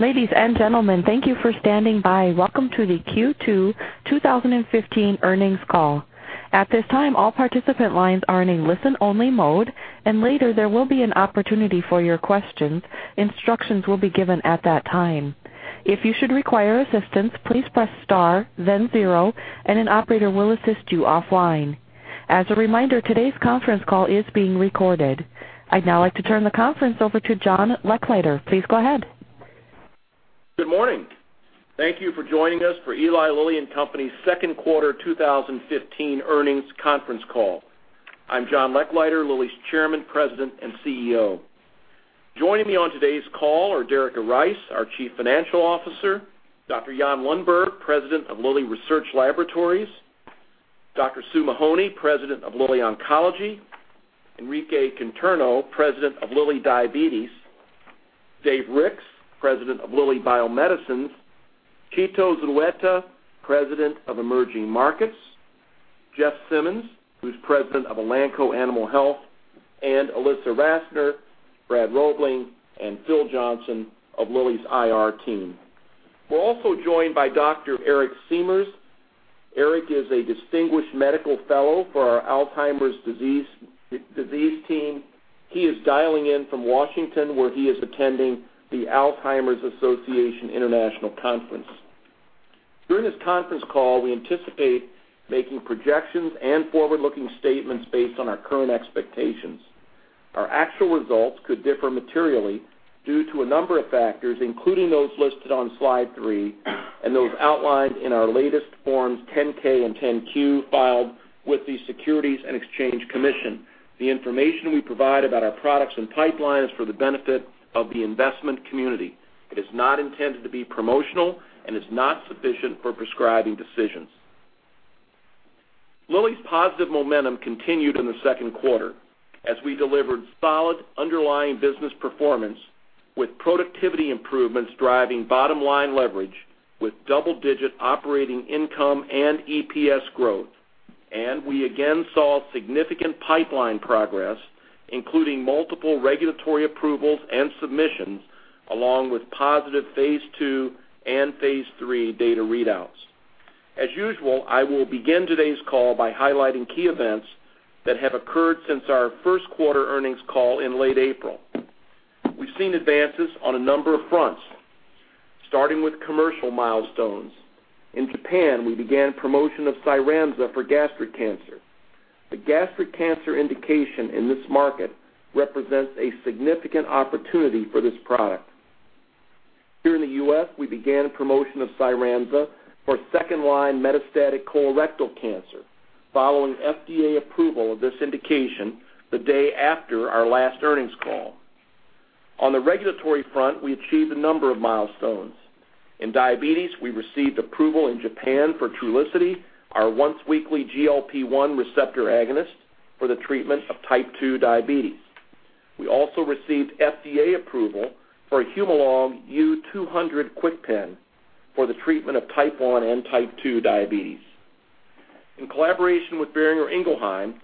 Ladies and gentlemen, thank you for standing by. Welcome to the Q2 2015 earnings call. At this time, all participant lines are in listen-only mode, and later there will be an opportunity for your questions. Instructions will be given at that time. If you should require assistance, please press star then zero, and an operator will assist you offline. As a reminder, today's conference call is being recorded. I'd now like to turn the conference over to John Lechleiter. Please go ahead. Good morning. Thank you for joining us for Eli Lilly and Company's second quarter 2015 earnings conference call. I'm John Lechleiter, Lilly's chairman, president, and CEO. Joining me on today's call are Derica Rice, our chief financial officer, Dr. Jan Lundberg, president of Lilly Research Laboratories, Dr. Sue Mahony, president of Lilly Oncology, Enrique Conterno, president of Lilly Diabetes, Dave Ricks, president of Lilly Bio-Medicines, Tito Zulueta, president of Emerging Markets, Jeff Simmons, who's president of Elanco Animal Health, and Ilissa Rassner, Brad Robling, and Phil Johnson of Lilly's IR team. We're also joined by Dr. Eric Siemers. Eric is a distinguished medical fellow for our Alzheimer's disease team. He is dialing in from Washington, where he is attending the Alzheimer's Association International Conference. During this conference call, we anticipate making projections and forward-looking statements based on our current expectations. Our actual results could differ materially due to a number of factors, including those listed on slide three and those outlined in our latest forms 10-K and 10-Q filed with the Securities and Exchange Commission. The information we provide about our products and pipeline is for the benefit of the investment community. It is not intended to be promotional and is not sufficient for prescribing decisions. Lilly's positive momentum continued in the second quarter as we delivered solid underlying business performance, with productivity improvements driving bottom-line leverage with double-digit operating income and EPS growth. We again saw significant pipeline progress, including multiple regulatory approvals and submissions, along with positive phase II and phase III data readouts. As usual, I will begin today's call by highlighting key events that have occurred since our first quarter earnings call in late April. We've seen advances on a number of fronts. Starting with commercial milestones, in Japan, we began promotion of Cyramza for gastric cancer. The gastric cancer indication in this market represents a significant opportunity for this product. Here in the U.S., we began promotion of Cyramza for second-line metastatic colorectal cancer following FDA approval of this indication the day after our last earnings call. On the regulatory front, we achieved a number of milestones. In diabetes, we received approval in Japan for Trulicity, our once-weekly GLP-1 receptor agonist for the treatment of type 2 diabetes. We also received FDA approval for Humalog U-200 KwikPen for the treatment of type 1 and type 2 diabetes. In collaboration with Boehringer Ingelheim,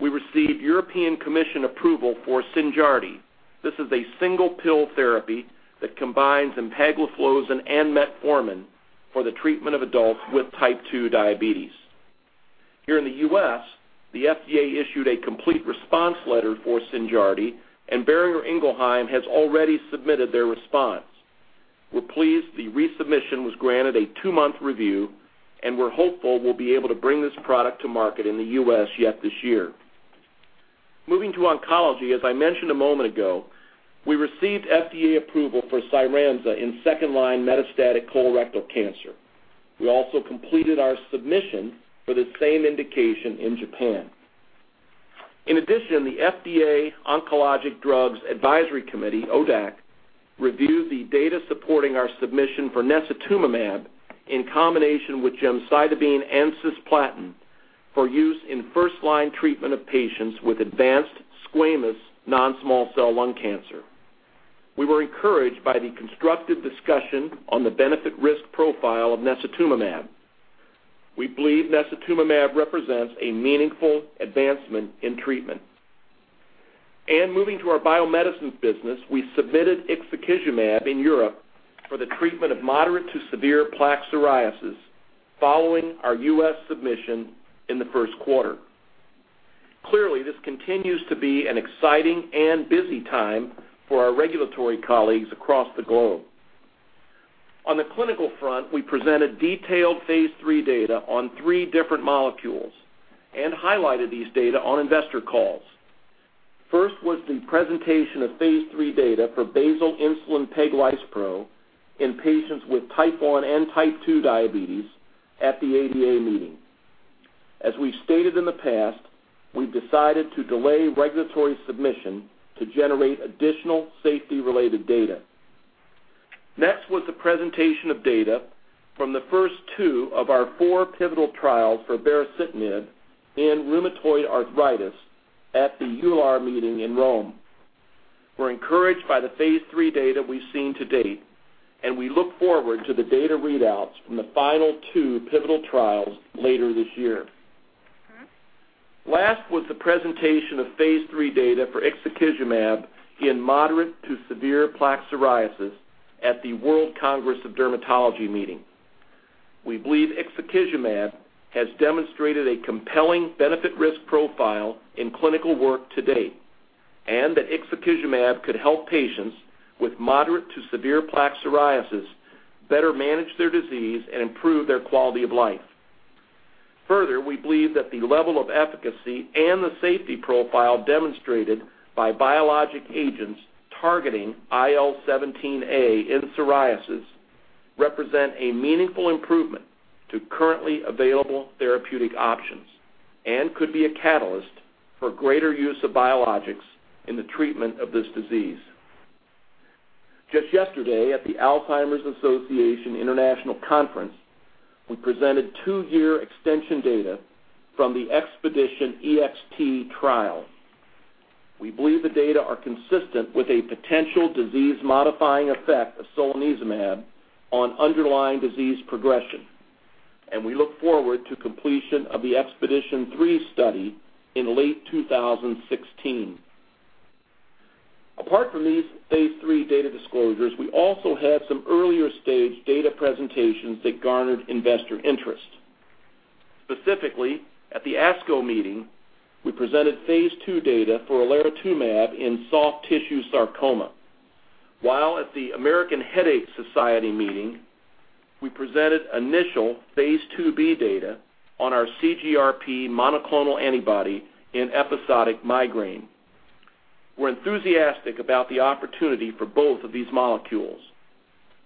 we received European Commission approval for Synjardy. This is a single-pill therapy that combines empagliflozin and metformin for the treatment of adults with type 2 diabetes. Here in the U.S., the FDA issued a complete response letter for Synjardy, and Boehringer Ingelheim has already submitted their response. We're pleased the resubmission was granted a two-month review, and we're hopeful we'll be able to bring this product to market in the U.S. yet this year. Moving to oncology, as I mentioned a moment ago, we received FDA approval for Cyramza in second-line metastatic colorectal cancer. We also completed our submission for the same indication in Japan. In addition, the FDA Oncologic Drugs Advisory Committee, ODAC, reviewed the data supporting our submission for necitumumab in combination with gemcitabine and cisplatin for use in first-line treatment of patients with advanced squamous non-small cell lung cancer. We were encouraged by the constructive discussion on the benefit-risk profile of necitumumab. We believe necitumumab represents a meaningful advancement in treatment. Moving to our Lilly Bio-Medicines business, we submitted ixekizumab in Europe for the treatment of moderate to severe plaque psoriasis following our U.S. submission in the first quarter. Clearly, this continues to be an exciting and busy time for our regulatory colleagues across the globe. On the clinical front, we presented detailed phase III data on three different molecules and highlighted these data on investor calls. First was the presentation of phase III data for basal insulin peglispro in patients with type 1 and type 2 diabetes at the ADA meeting. As we've stated in the past, we've decided to delay regulatory submission to generate additional safety-related data. Next was the presentation of data from the first two of our four pivotal trials for baricitinib in rheumatoid arthritis at the EULAR meeting in Rome. We're encouraged by the phase III data we've seen to date, and we look forward to the data readouts from the final two pivotal trials later this year. Last was the presentation of phase III data for ixekizumab in moderate to severe plaque psoriasis at the World Congress of Dermatology meeting. We believe ixekizumab has demonstrated a compelling benefit-risk profile in clinical work to date, and that ixekizumab could help patients with moderate to severe plaque psoriasis better manage their disease and improve their quality of life. Further, we believe that the level of efficacy and the safety profile demonstrated by biologic agents targeting IL-17A in psoriasis represent a meaningful improvement to currently available therapeutic options and could be a catalyst for greater use of biologics in the treatment of this disease. Just yesterday at the Alzheimer's Association International Conference, we presented two-year extension data from the EXPEDITION-EXT trial. We believe the data are consistent with a potential disease-modifying effect of solanezumab on underlying disease progression, and we look forward to completion of the EXPEDITION-3 study in late 2016. Apart from these phase III data disclosures, we also had some earlier stage data presentations that garnered investor interest. Specifically, at the ASCO meeting, we presented phase II data for olaratumab in soft tissue sarcoma. While at the American Headache Society meeting, we presented initial phase II-B data on our CGRP monoclonal antibody in episodic migraine. We're enthusiastic about the opportunity for both of these molecules.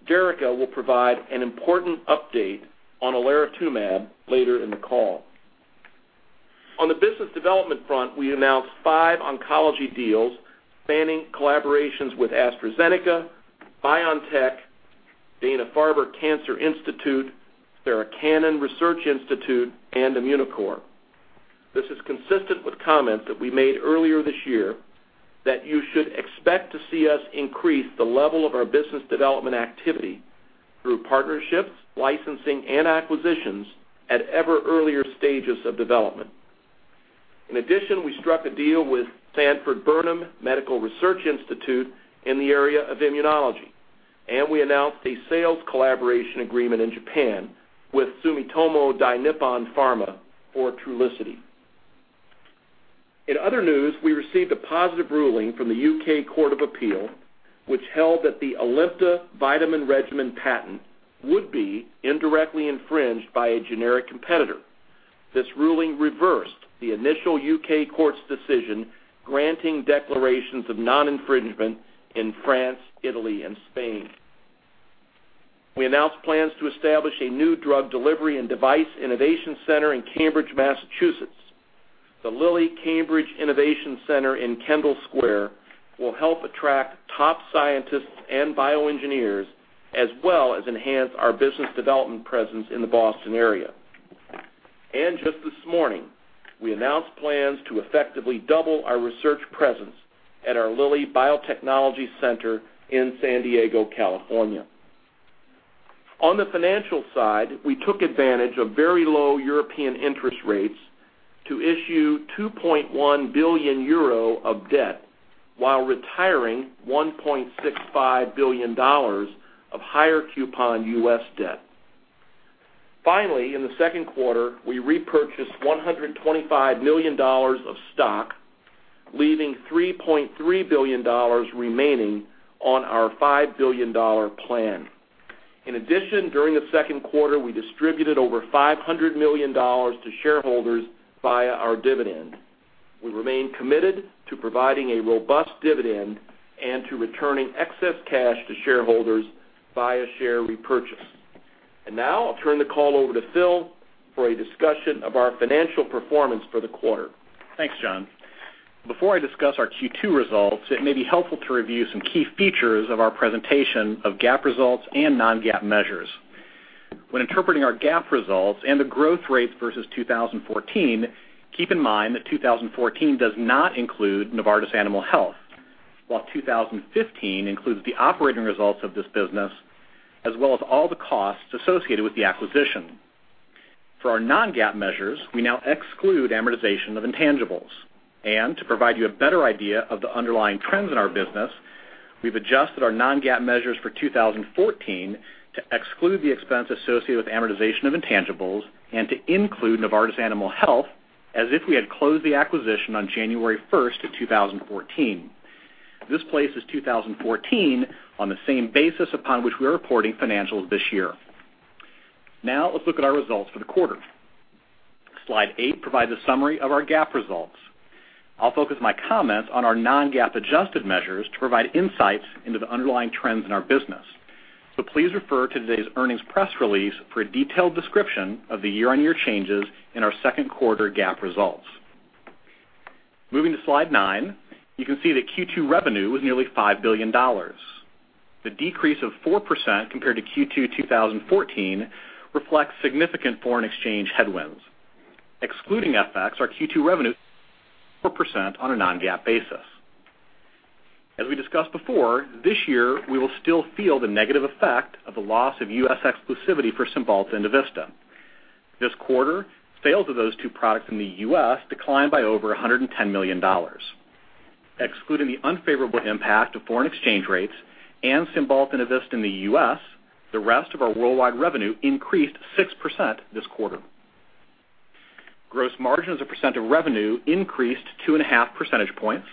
Derica will provide an important update on olaratumab later in the call. On the business development front, we announced five oncology deals spanning collaborations with AstraZeneca, BioNTech, Dana-Farber Cancer Institute, Sarah Cannon Research Institute, and Immunocore. This is consistent with comments that we made earlier this year that you should expect to see us increase the level of our business development activity through partnerships, licensing, and acquisitions at ever earlier stages of development. In addition, we struck a deal with Sanford-Burnham Medical Research Institute in the area of immunology, and we announced a sales collaboration agreement in Japan with Sumitomo Dainippon Pharma for Trulicity. We received a positive ruling from the U.K. Court of Appeal, which held that the ALIMTA vitamin regimen patent would be indirectly infringed by a generic competitor. This ruling reversed the initial U.K. court's decision granting declarations of non-infringement in France, Italy, and Spain. We announced plans to establish a new drug delivery and device innovation center in Cambridge, Massachusetts. The Lilly Cambridge Innovation Center in Kendall Square will help attract top scientists and bioengineers, as well as enhance our business development presence in the Boston area. Just this morning, we announced plans to effectively double our research presence at our Lilly Biotechnology Center in San Diego, California. On the financial side, we took advantage of very low European interest rates to issue €2.1 billion of debt while retiring $1.65 billion of higher coupon U.S. debt. Finally, in the second quarter, we repurchased $125 million of stock, leaving $3.3 billion remaining on our $5 billion plan. In addition, during the second quarter, we distributed over $500 million to shareholders via our dividend. We remain committed to providing a robust dividend and to returning excess cash to shareholders via share repurchase. Now I'll turn the call over to Phil for a discussion of our financial performance for the quarter. Thanks, John. Before I discuss our Q2 results, it may be helpful to review some key features of our presentation of GAAP results and non-GAAP measures. When interpreting our GAAP results and the growth rates versus 2014, keep in mind that 2014 does not include Novartis Animal Health. While 2015 includes the operating results of this business, as well as all the costs associated with the acquisition. For our non-GAAP measures, we now exclude amortization of intangibles. To provide you a better idea of the underlying trends in our business, we've adjusted our non-GAAP measures for 2014 to exclude the expense associated with amortization of intangibles and to include Novartis Animal Health as if we had closed the acquisition on January 1st of 2014. This places 2014 on the same basis upon which we are reporting financials this year. Let's look at our results for the quarter. Slide eight provides a summary of our GAAP results. I'll focus my comments on our non-GAAP adjusted measures to provide insights into the underlying trends in our business. Please refer to today's earnings press release for a detailed description of the year-on-year changes in our second quarter GAAP results. Moving to Slide 9, you can see that Q2 revenue was nearly $5 billion. The decrease of 4% compared to Q2 2014 reflects significant foreign exchange headwinds. Excluding FX, our Q2 revenue 4% on a non-GAAP basis. As we discussed before, this year, we will still feel the negative effect of the loss of U.S. exclusivity for Cymbalta and EVISTA. This quarter, sales of those two products in the U.S. declined by over $110 million. Excluding the unfavorable impact of foreign exchange rates and Cymbalta and EVISTA in the U.S., the rest of our worldwide revenue increased 6% this quarter. Gross margin as a percent of revenue increased two and a half percentage points,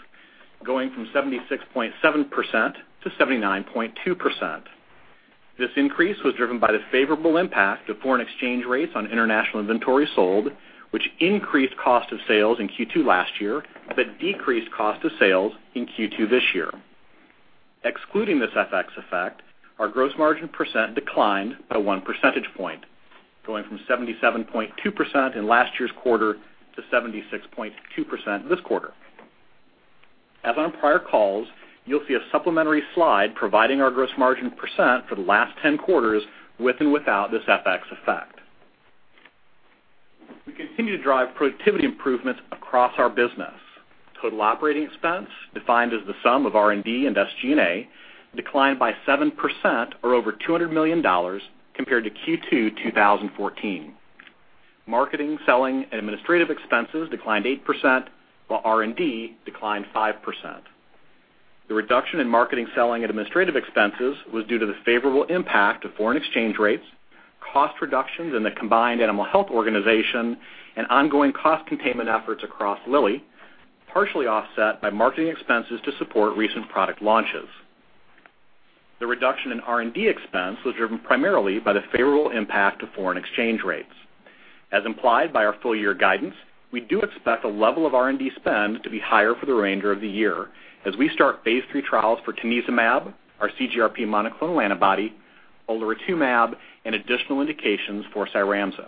going from 76.7% to 79.2%. This increase was driven by the favorable impact of foreign exchange rates on international inventory sold, which increased cost of sales in Q2 last year but decreased cost of sales in Q2 this year. Excluding this FX effect, our gross margin percent declined by one percentage point, going from 77.2% in last year's quarter to 76.2% this quarter. As on prior calls, you'll see a supplementary slide providing our gross margin percent for the last 10 quarters with and without this FX effect. We continue to drive productivity improvements across our business. Total operating expense, defined as the sum of R&D and SG&A, declined by 7%, or over $200 million compared to Q2 2014. Marketing, selling, and administrative expenses declined 8%, while R&D declined 5%. The reduction in marketing, selling, and administrative expenses was due to the favorable impact of foreign exchange rates, cost reductions in the combined Animal Health organization, and ongoing cost containment efforts across Lilly, partially offset by marketing expenses to support recent product launches. The reduction in R&D expense was driven primarily by the favorable impact of foreign exchange rates. As implied by our full-year guidance, we do expect the level of R&D spend to be higher for the remainder of the year as we start Phase III trials for galcanezumab, our CGRP monoclonal antibody, olaratumab, and additional indications for Cyramza.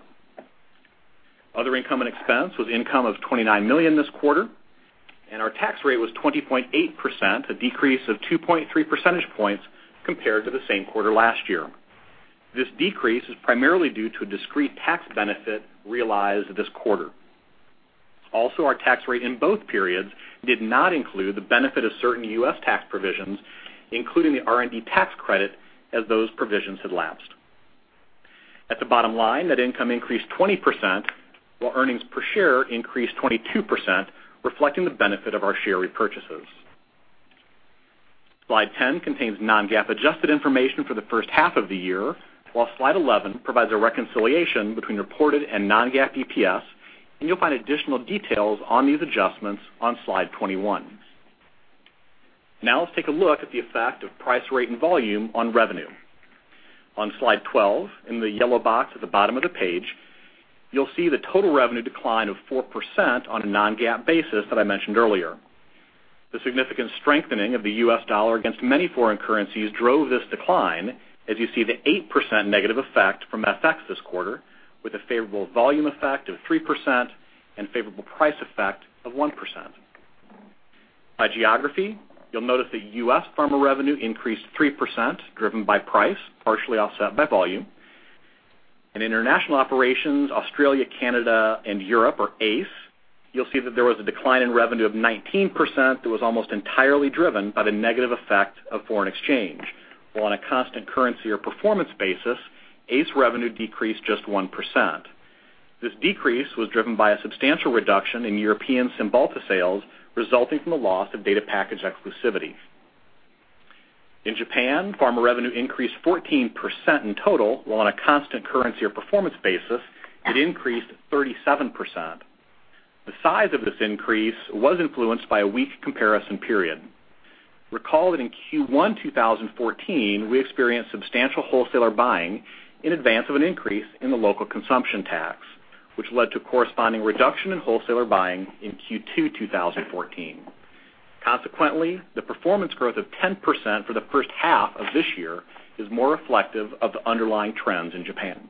Other income and expense was income of $29 million this quarter, and our tax rate was 20.8%, a decrease of 2.3 percentage points compared to the same quarter last year. This decrease is primarily due to a discrete tax benefit realized this quarter. Also, our tax rate in both periods did not include the benefit of certain U.S. tax provisions, including the R&D tax credit, as those provisions had lapsed. At the bottom line, net income increased 20%, while earnings per share increased 22%, reflecting the benefit of our share repurchases. Slide 10 contains non-GAAP adjusted information for the first half of the year, while Slide 11 provides a reconciliation between reported and non-GAAP EPS, and you'll find additional details on these adjustments on slide 21. Now let's take a look at the effect of price, rate, and volume on revenue. On slide 12, in the yellow box at the bottom of the page, you'll see the total revenue decline of 4% on a non-GAAP basis that I mentioned earlier. The significant strengthening of the U.S. dollar against many foreign currencies drove this decline as you see the 8% negative effect from FX this quarter with a favorable volume effect of 3% and favorable price effect of 1%. By geography, you'll notice that U.S. pharma revenue increased 3%, driven by price, partially offset by volume. In international operations, Australia, Canada, and Europe or ACE, you'll see that there was a decline in revenue of 19% that was almost entirely driven by the negative effect of foreign exchange. While on a constant currency or performance basis, ACE revenue decreased just 1%. This decrease was driven by a substantial reduction in European Cymbalta sales resulting from the loss of data package exclusivity. In Japan, pharma revenue increased 14% in total, while on a constant currency or performance basis, it increased 37%. The size of this increase was influenced by a weak comparison period. Recall that in Q1 2014, we experienced substantial wholesaler buying in advance of an increase in the local consumption tax, which led to a corresponding reduction in wholesaler buying in Q2 2014. The performance growth of 10% for the first half of this year is more reflective of the underlying trends in Japan.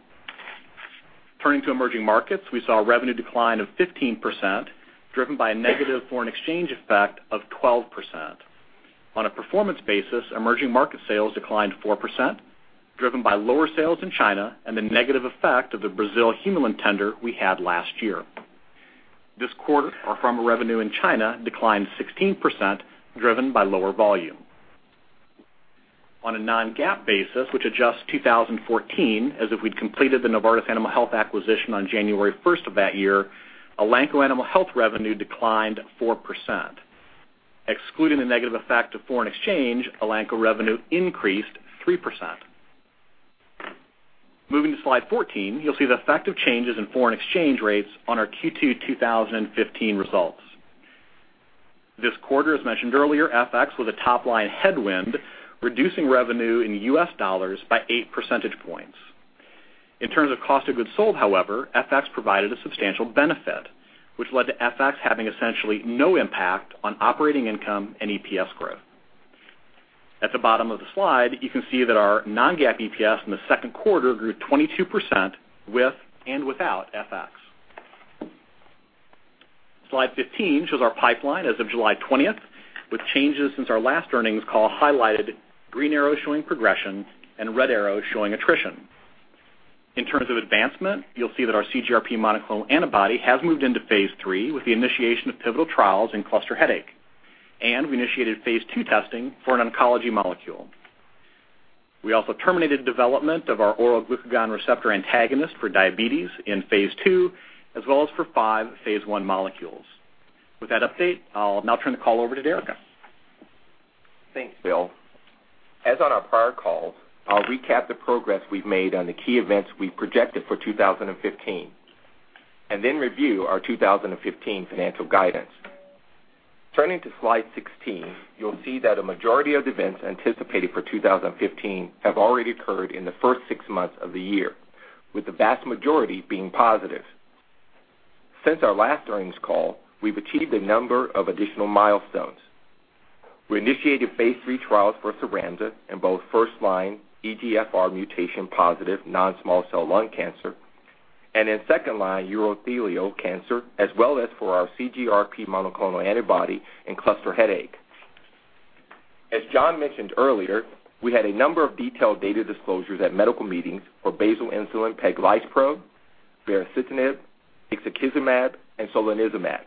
Turning to emerging markets, we saw a revenue decline of 15%, driven by a negative foreign exchange effect of 12%. On a performance basis, emerging market sales declined 4%, driven by lower sales in China and the negative effect of the Brazil Humulin tender we had last year. This quarter, our pharma revenue in China declined 16%, driven by lower volume. On a non-GAAP basis, which adjusts 2014 as if we'd completed the Novartis Animal Health acquisition on January 1st of that year, Elanco Animal Health revenue declined 4%. Excluding the negative effect of foreign exchange, Elanco revenue increased 3%. Moving to slide 14, you'll see the effect of changes in foreign exchange rates on our Q2 2015 results. This quarter, as mentioned earlier, FX was a top-line headwind, reducing revenue in U.S. dollars by eight percentage points. In terms of cost of goods sold, however, FX provided a substantial benefit, which led to FX having essentially no impact on operating income and EPS growth. At the bottom of the slide, you can see that our non-GAAP EPS in the second quarter grew 22% with and without FX. Slide 15 shows our pipeline as of July 20th, with changes since our last earnings call highlighted, green arrows showing progression and red arrows showing attrition. In terms of advancement, you'll see that our CGRP monoclonal antibody has moved into phase III with the initiation of pivotal trials in cluster headache, and we initiated phase II testing for an oncology molecule. We also terminated development of our oral glucagon receptor antagonist for diabetes in phase II, as well as for 5 phase I molecules. With that update, I'll now turn the call over to Derica. Thanks, Phil. As on our prior calls, I'll recap the progress we've made on the key events we projected for 2015, and then review our 2015 financial guidance. Turning to slide 16, you'll see that a majority of the events anticipated for 2015 have already occurred in the first six months of the year, with the vast majority being positive. Since our last earnings call, we've achieved a number of additional milestones. We initiated phase III trials for Cyramza in both first-line EGFR mutation positive non-small cell lung cancer, and in second line urothelial cancer, as well as for our CGRP monoclonal antibody in cluster headache. As John mentioned earlier, we had a number of detailed data disclosures at medical meetings for basal insulin peglispro, baricitinib, ixekizumab, and solanezumab.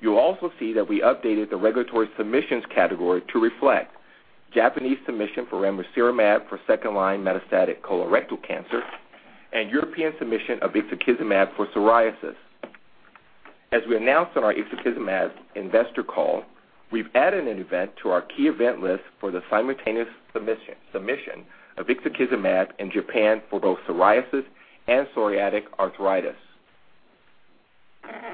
You'll also see that we updated the regulatory submissions category to reflect Japanese submission for ramucirumab for second-line metastatic colorectal cancer, and European submission of ixekizumab for psoriasis. As we announced on our ixekizumab investor call, we've added an event to our key event list for the simultaneous submission of ixekizumab in Japan for both psoriasis and psoriatic arthritis.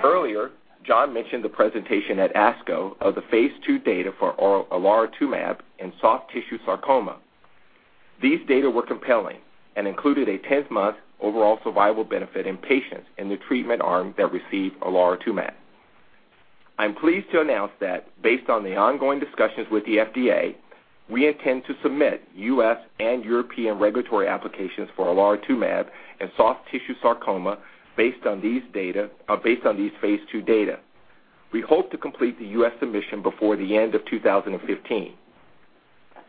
Earlier, John mentioned the presentation at ASCO of the phase II data for oral olaratumab in soft tissue sarcoma. These data were compelling and included a 10-month overall survival benefit in patients in the treatment arm that received olaratumab. I'm pleased to announce that based on the ongoing discussions with the FDA, we intend to submit U.S. and European regulatory applications for olaratumab in soft tissue sarcoma based on these phase II data. We hope to complete the U.S. submission before the end of 2015.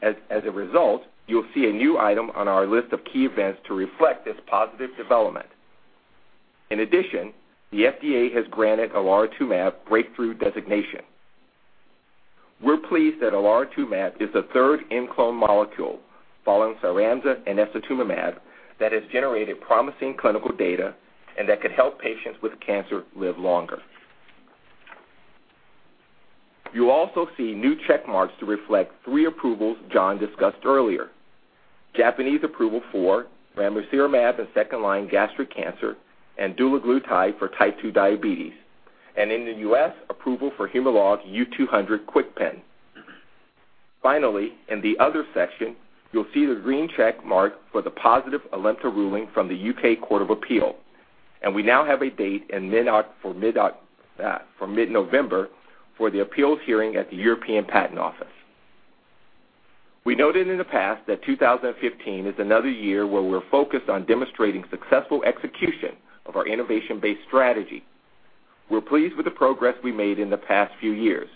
As a result, you'll see a new item on our list of key events to reflect this positive development. In addition, the FDA has granted olaratumab breakthrough designation. We're pleased that olaratumab is the third ImClone molecule, following Cyramza and Erbitux, that has generated promising clinical data and that could help patients with cancer live longer. You also see new check marks to reflect three approvals John discussed earlier, Japanese approval for ramucirumab in second line gastric cancer and dulaglutide for type 2 diabetes, and in the U.S., approval for Humalog U-200 KwikPen. Finally, in the other section, you'll see the green check mark for the positive ALIMTA ruling from the U.K. Court of Appeal, and we now have a date for mid-November for the appeals hearing at the European Patent Office. We noted in the past that 2015 is another year where we're focused on demonstrating successful execution of our innovation-based strategy. We're pleased with the progress we made in the past few years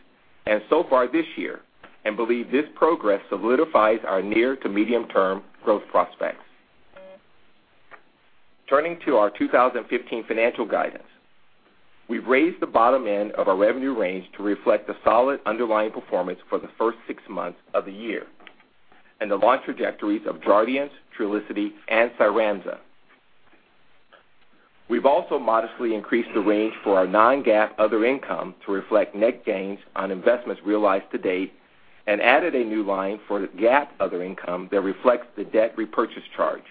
and so far this year, and believe this progress solidifies our near to medium term growth prospects. Turning to our 2015 financial guidance, we've raised the bottom end of our revenue range to reflect the solid underlying performance for the first six months of the year and the launch trajectories of Jardiance, Trulicity, and Cyramza. We've also modestly increased the range for our non-GAAP other income to reflect net gains on investments realized to date and added a new line for GAAP other income that reflects the debt repurchase charge.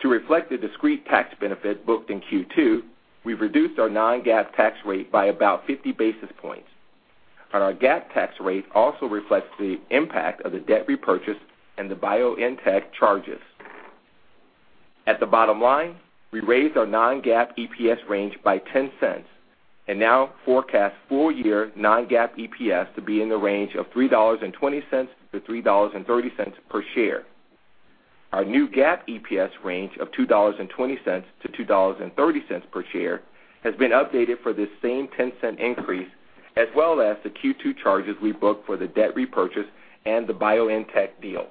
To reflect the discrete tax benefit booked in Q2, we've reduced our non-GAAP tax rate by about 50 basis points. Our GAAP tax rate also reflects the impact of the debt repurchase and the BioNTech charges. At the bottom line, we raised our non-GAAP EPS range by $0.10 and now forecast full year non-GAAP EPS to be in the range of $3.20-$3.30 per share. Our new GAAP EPS range of $2.20-$2.30 per share has been updated for this same $0.10 increase, as well as the Q2 charges we booked for the debt repurchase and the BioNTech deal.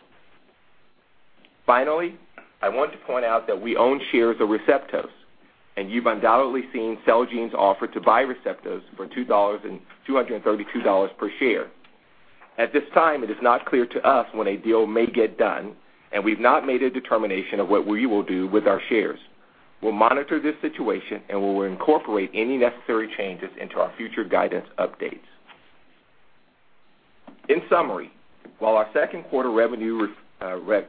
I want to point out that we own shares of Receptos, and you've undoubtedly seen Celgene's offer to buy Receptos for $232 per share. At this time, it is not clear to us when a deal may get done. We've not made a determination of what we will do with our shares. We'll monitor this situation, and we will incorporate any necessary changes into our future guidance updates. In summary, while our second quarter revenue reflects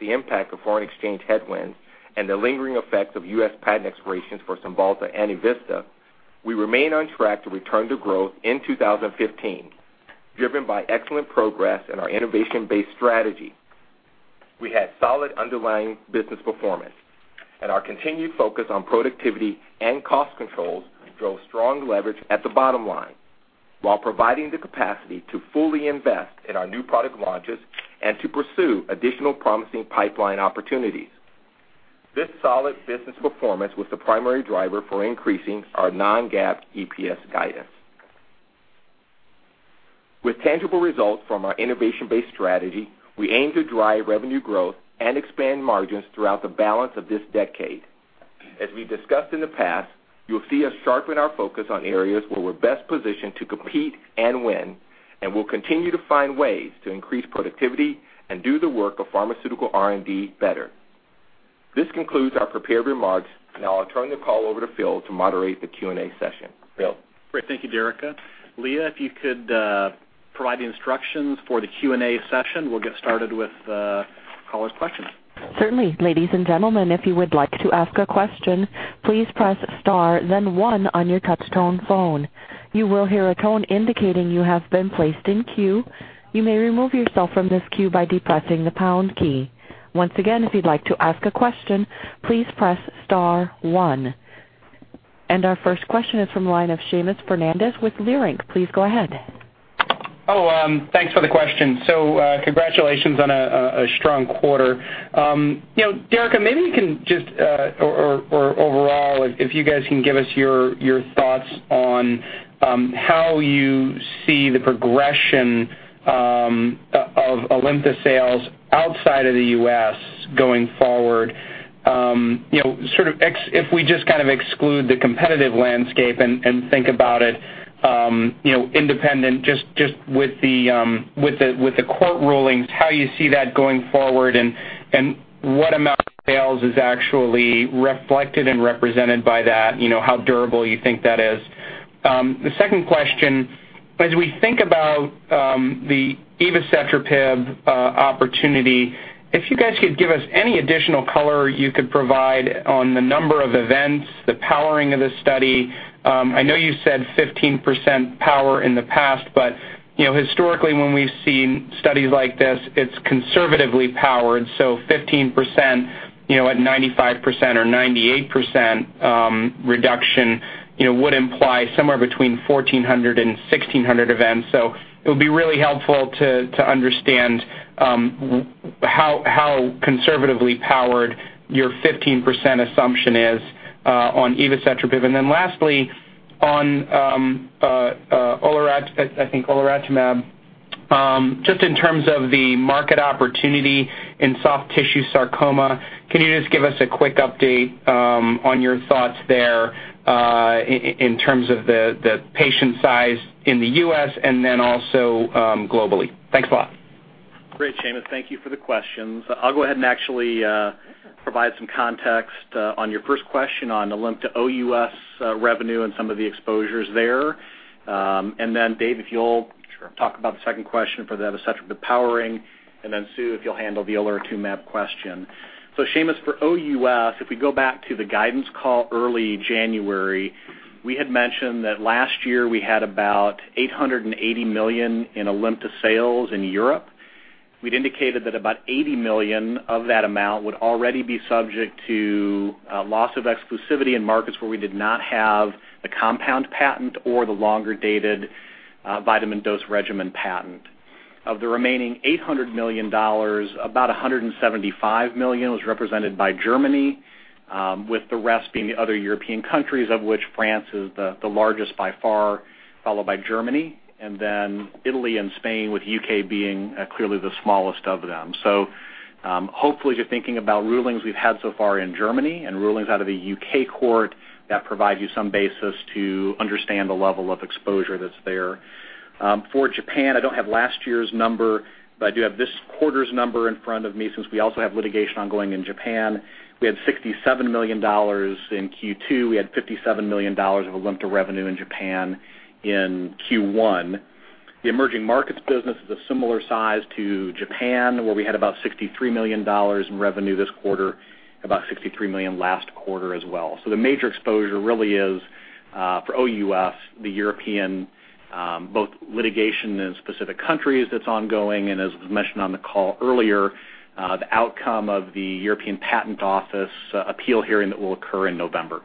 the impact of foreign exchange headwinds and the lingering effects of U.S. patent expirations for Cymbalta and EVISTA, we remain on track to return to growth in 2015, driven by excellent progress in our innovation-based strategy. We had solid underlying business performance and our continued focus on productivity and cost controls drove strong leverage at the bottom line, while providing the capacity to fully invest in our new product launches and to pursue additional promising pipeline opportunities. This solid business performance was the primary driver for increasing our non-GAAP EPS guidance. With tangible results from our innovation-based strategy, we aim to drive revenue growth and expand margins throughout the balance of this decade. As we discussed in the past, you'll see us sharpen our focus on areas where we're best positioned to compete and win, and we'll continue to find ways to increase productivity and do the work of pharmaceutical R&D better. This concludes our prepared remarks. Now I'll turn the call over to Phil to moderate the Q&A session. Phil? Great. Thank you, Derica. Leah, if you could provide the instructions for the Q&A session, we'll get started with callers' questions. Certainly. Ladies and gentlemen, if you would like to ask a question, please press star then one on your touch-tone phone. You will hear a tone indicating you have been placed in queue. You may remove yourself from this queue by depressing the pound key. Once again, if you'd like to ask a question, please press star one. Our first question is from the line of Seamus Fernandez with Leerink Partners. Please go ahead. Thanks for the question. Congratulations on a strong quarter. Derica, maybe you can just, or overall, if you guys can give us your thoughts on how you see the progression of ALIMTA sales outside of the U.S. going forward. If we just exclude the competitive landscape and think about it independent just with the court rulings, how you see that going forward and what amount of sales is actually reflected and represented by that, how durable you think that is. The second question, as we think about the evacetrapib opportunity, if you guys could give us any additional color you could provide on the number of events, the powering of the study. I know you said 15% power in the past, but historically when we've seen studies like this, it's conservatively powered, 15% at 95% or 98% reduction would imply somewhere between 1,400 and 1,600 events. It would be really helpful to understand how conservatively powered your 15% assumption is on evacetrapib. Lastly, on, I think, olaratumab, just in terms of the market opportunity in soft tissue sarcoma, can you just give us a quick update on your thoughts there in terms of the patient size in the U.S. and then also globally? Thanks a lot. Great, Seamus. Thank you for the questions. I'll go ahead and actually provide some context on your first question on ALIMTA OUS revenue and some of the exposures there. Dave, if you'll- Sure. I'll talk about the second question for the evacetrapib powering, and then Sue, if you'll handle the olaratumab question. Seamus, for OUS, if we go back to the guidance call early January, we had mentioned that last year we had about $880 million in ALIMTA sales in Europe. We'd indicated that about $80 million of that amount would already be subject to a loss of exclusivity in markets where we did not have the compound patent or the longer-dated vitamin dose regimen patent. Of the remaining $800 million, about $175 million was represented by Germany, with the rest being the other European countries, of which France is the largest by far, followed by Germany, and then Italy and Spain, with U.K. being clearly the smallest of them. Hopefully if you're thinking about rulings we've had so far in Germany and rulings out of the U.K. court, that provides you some basis to understand the level of exposure that's there. For Japan, I don't have last year's number, but I do have this quarter's number in front of me since we also have litigation ongoing in Japan. We had $67 million in Q2. We had $57 million of ALIMTA revenue in Japan in Q1. The emerging markets business is a similar size to Japan, where we had about $63 million in revenue this quarter, about $63 million last quarter as well. The major exposure really is, for OUS, the European, both litigation in specific countries that's ongoing and as was mentioned on the call earlier, the outcome of the European Patent Office appeal hearing that will occur in November.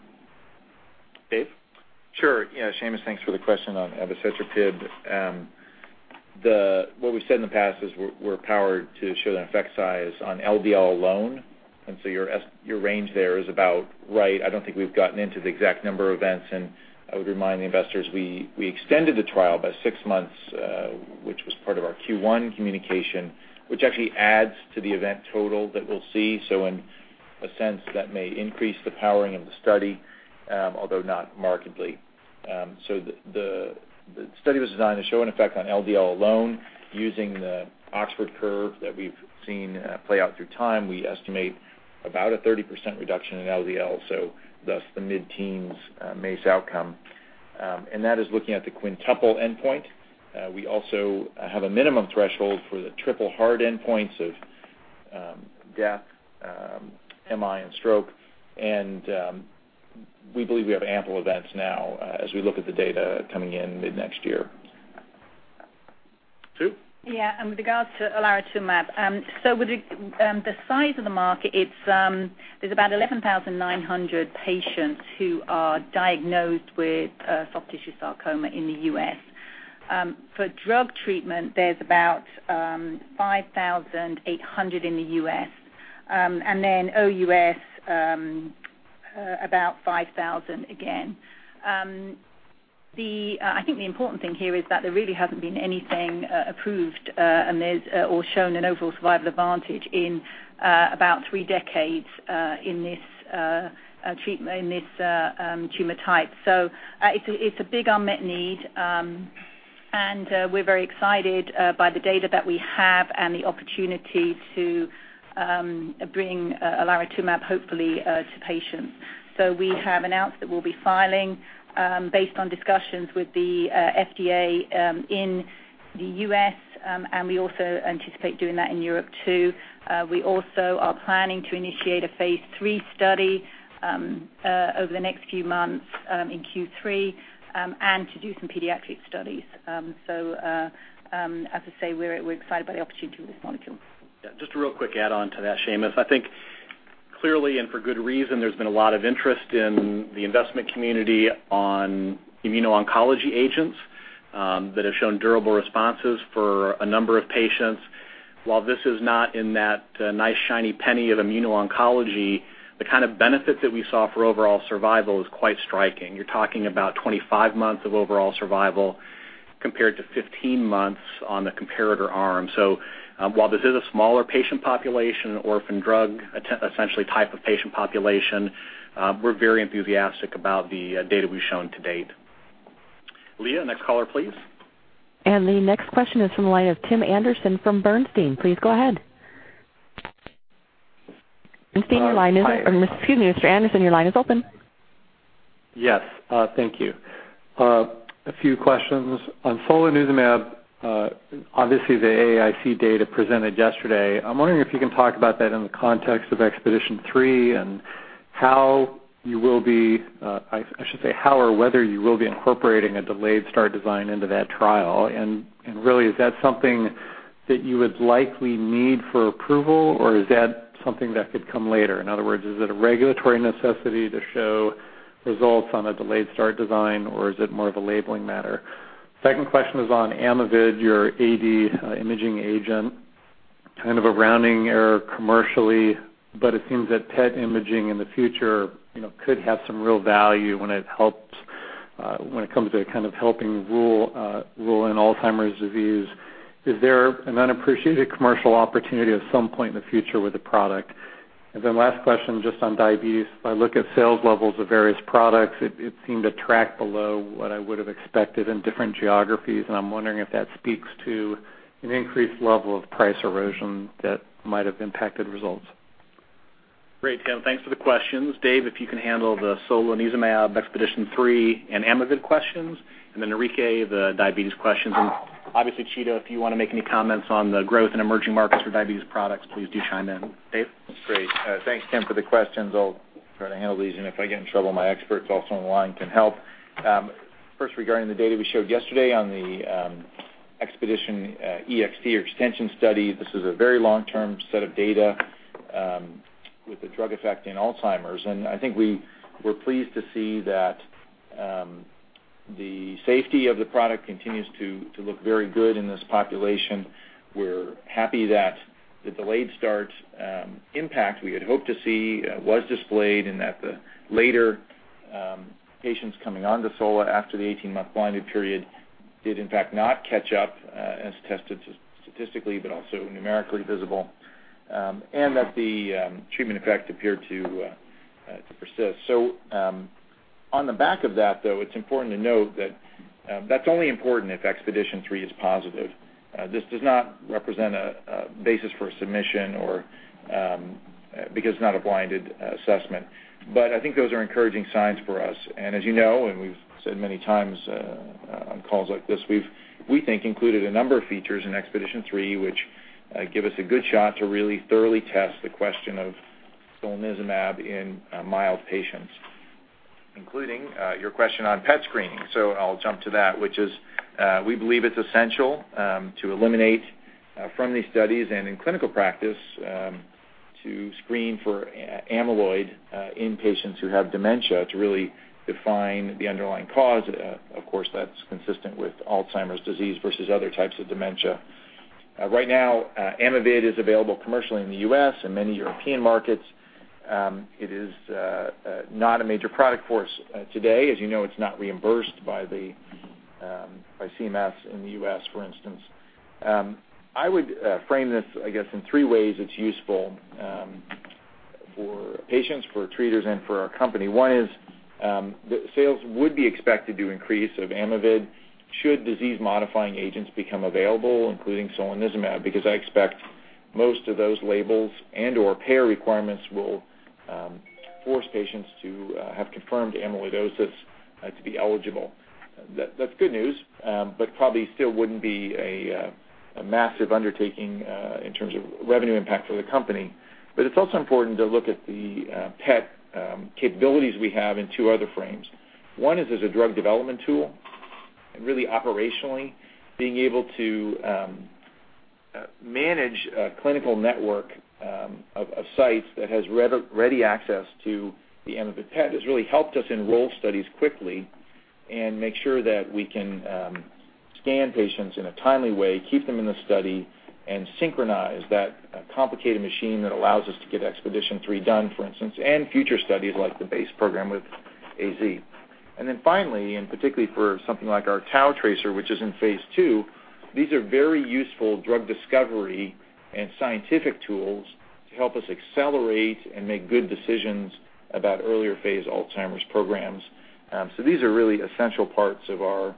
Dave? Sure. Seamus, thanks for the question on evacetrapib. What we've said in the past is we're powered to show an effect size on LDL alone, your range there is about right. I don't think we've gotten into the exact number of events, and I would remind the investors, we extended the trial by six months, which was part of our Q1 communication, which actually adds to the event total that we'll see. In a sense, that may increase the powering of the study, although not markedly. The study was designed to show an effect on LDL alone using the Oxford curve that we've seen play out through time. We estimate about a 30% reduction in LDL, thus the mid-teens MACE outcome. That is looking at the quintuple endpoint. We also have a minimum threshold for the triple hard endpoints of death, MI, and stroke, and we believe we have ample events now as we look at the data coming in mid-next year. Sue? Yeah. With regards to olaratumab, with the size of the market, there's about 11,900 patients who are diagnosed with soft tissue sarcoma in the U.S. For drug treatment, there's about 5,800 in the U.S., and then OUS, about 5,000 again. I think the important thing here is that there really hasn't been anything approved or shown an overall survival advantage in about three decades in this tumor type. It's a big unmet need, and we're very excited by the data that we have and the opportunity to bring olaratumab, hopefully, to patients. We have announced that we'll be filing based on discussions with the FDA in the U.S., and we also anticipate doing that in Europe, too. We also are planning to initiate a phase III study over the next few months in Q3, and to do some pediatric studies. As I say, we're excited by the opportunity with this molecule. Yeah. Just a real quick add-on to that, Seamus. I think clearly, and for good reason, there's been a lot of interest in the investment community on immuno-oncology agents that have shown durable responses for a number of patients. While this is not in that nice shiny penny of immuno-oncology, the kind of benefit that we saw for overall survival is quite striking. You're talking about 25 months of overall survival compared to 15 months on the comparator arm. While this is a smaller patient population, an orphan drug, essentially type of patient population, we're very enthusiastic about the data we've shown to date. Leah, next caller, please. The next question is from the line of Timothy Anderson from Bernstein. Please go ahead. Mr. Anderson, your line is open. Yes. Thank you. A few questions. On solanezumab, obviously the AAIC data presented yesterday, I'm wondering if you can talk about that in the context of Expedition 3 and how you will be, I should say how or whether you will be incorporating a delayed start design into that trial. Really, is that something that you would likely need for approval, or is that something that could come later? In other words, is it a regulatory necessity to show results on a delayed start design, or is it more of a labeling matter? Second question is on Amyvid, your AD imaging agent. Kind of a rounding error commercially, but it seems that PET imaging in the future could have some real value when it comes to kind of helping rule in Alzheimer's disease. Is there an unappreciated commercial opportunity at some point in the future with the product? Last question, just on diabetes. If I look at sales levels of various products, it seemed to track below what I would have expected in different geographies, and I'm wondering if that speaks to an increased level of price erosion that might have impacted results. Great, Tim. Thanks for the questions. Dave, if you can handle the solanezumab Expedition 3 and Amyvid questions, then Enrique, the diabetes questions. Obviously, Tito, if you want to make any comments on the growth in emerging markets for diabetes products, please do chime in. Dave? Great. Thanks, Tim, for the questions. I'll try to handle these, and if I get in trouble, my experts also on the line can help. First, regarding the data we showed yesterday on the Expedition EXT or extension study, this is a very long-term set of data with the drug effect in Alzheimer's. I think we're pleased to see that the safety of the product continues to look very good in this population. We're happy that the delayed start impact we had hoped to see was displayed, that the later patients coming onto sola after the 18-month blinded period did in fact not catch up as tested statistically, but also numerically visible, that the treatment effect appeared to persist. On the back of that, though, it's important to note that that's only important if Expedition 3 is positive. This does not represent a basis for submission because it's not a blinded assessment. I think those are encouraging signs for us. As you know, and we've said many times on calls like this, we think included a number of features in EXPEDITION-3 which give us a good shot to really thoroughly test the question of solanezumab in mild patients, including your question on PET screening. I'll jump to that, which is, we believe it's essential to eliminate from these studies and in clinical practice to screen for amyloid in patients who have dementia to really define the underlying cause. Of course, that's consistent with Alzheimer's disease versus other types of dementia. Right now, Amyvid is available commercially in the U.S. and many European markets. It is not a major product for us today. As you know, it's not reimbursed by CMS in the U.S., for instance. I would frame this, I guess, in three ways it's useful for patients, for treaters, and for our company. One is that sales would be expected to increase of Amyvid should disease-modifying agents become available, including solanezumab, because I expect most of those labels and/or payor requirements will force patients to have confirmed amyloidosis to be eligible. That's good news, probably still wouldn't be a massive undertaking in terms of revenue impact for the company. It's also important to look at the PET capabilities we have in two other frames. One is as a drug development tool, really operationally being able to manage a clinical network of sites that has ready access to the Amyvid PET has really helped us enroll studies quickly and make sure that we can scan patients in a timely way, keep them in the study, and synchronize that complicated machine that allows us to get EXPEDITION-3 done, for instance, and future studies like the BACE program with AZ. Then finally, particularly for something like our tau tracer, which is in phase II, these are very useful drug discovery and scientific tools to help us accelerate and make good decisions about earlier phase Alzheimer's programs. These are really essential parts of our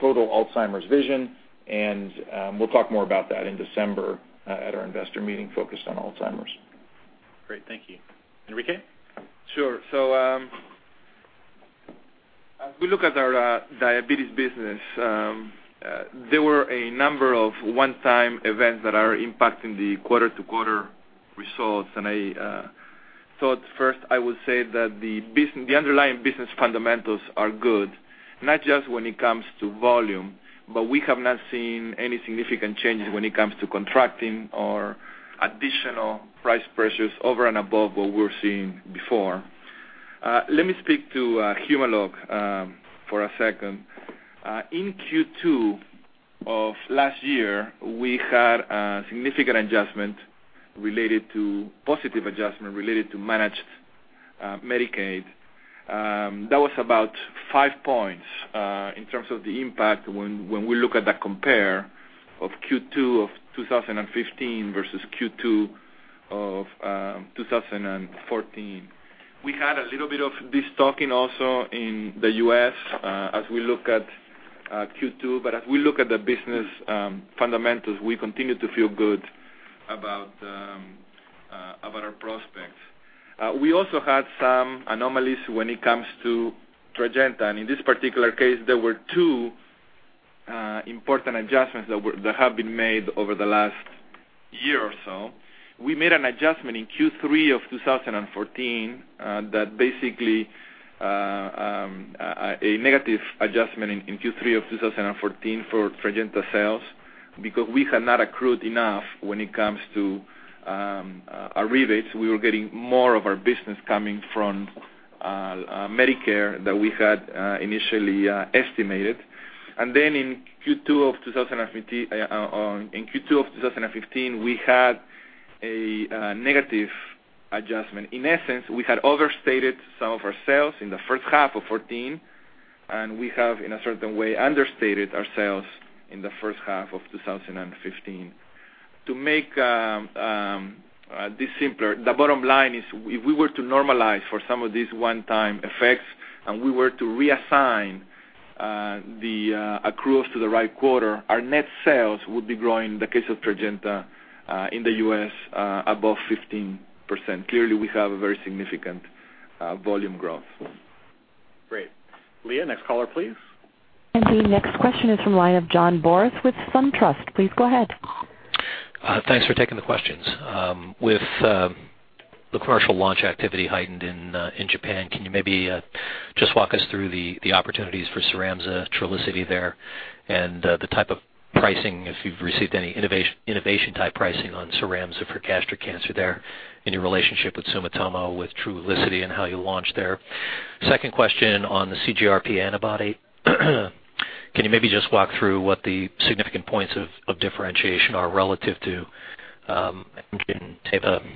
total Alzheimer's vision, and we'll talk more about that in December at our investor meeting focused on Alzheimer's. Great, thank you. Enrique? Sure. As we look at our diabetes business, there were a number of one-time events that are impacting the quarter-to-quarter results. I thought first I would say that the underlying business fundamentals are good, not just when it comes to volume, we have not seen any significant changes when it comes to contracting or additional price pressures over and above what we were seeing before. Let me speak to Humalog for a second. In Q2 of last year, we had a significant positive adjustment related to managed Medicare. That was about 5 points, in terms of the impact when we look at the compare of Q2 of 2015 versus Q2 of 2014. We had a little bit of this talking also in the U.S. as we look at Q2. As we look at the business fundamentals, we continue to feel good about our prospects. We also had some anomalies when it comes to Tradjenta, in this particular case, there were 2 important adjustments that have been made over the last year or so. We made an adjustment in Q3 of 2014, a negative adjustment in Q3 of 2014 for Tradjenta sales, because we had not accrued enough when it comes to our rebates. We were getting more of our business coming from Medicare than we had initially estimated. In Q2 of 2015, we had a negative adjustment. In essence, we had overstated some of our sales in the first half of 2014, and we have, in a certain way, understated our sales in the first half of 2015. To make this simpler, the bottom line is if we were to normalize for some of these one-time effects, and we were to reassign the accruals to the right quarter, our net sales would be growing, in the case of Tradjenta in the U.S., above 15%. Clearly, we have a very significant volume growth. Great. Leah, next caller, please. The next question is from the line of John Boris with SunTrust. Please go ahead. Thanks for taking the questions. With the commercial launch activity heightened in Japan, can you maybe just walk us through the opportunities for Cyramza, Trulicity there, and the type of pricing, if you've received any innovation-type pricing on Cyramza for gastric cancer there, and your relationship with Sumitomo, with Trulicity and how you launch there? Second question on the CGRP antibody. Can you maybe just walk through what the significant points of differentiation are relative to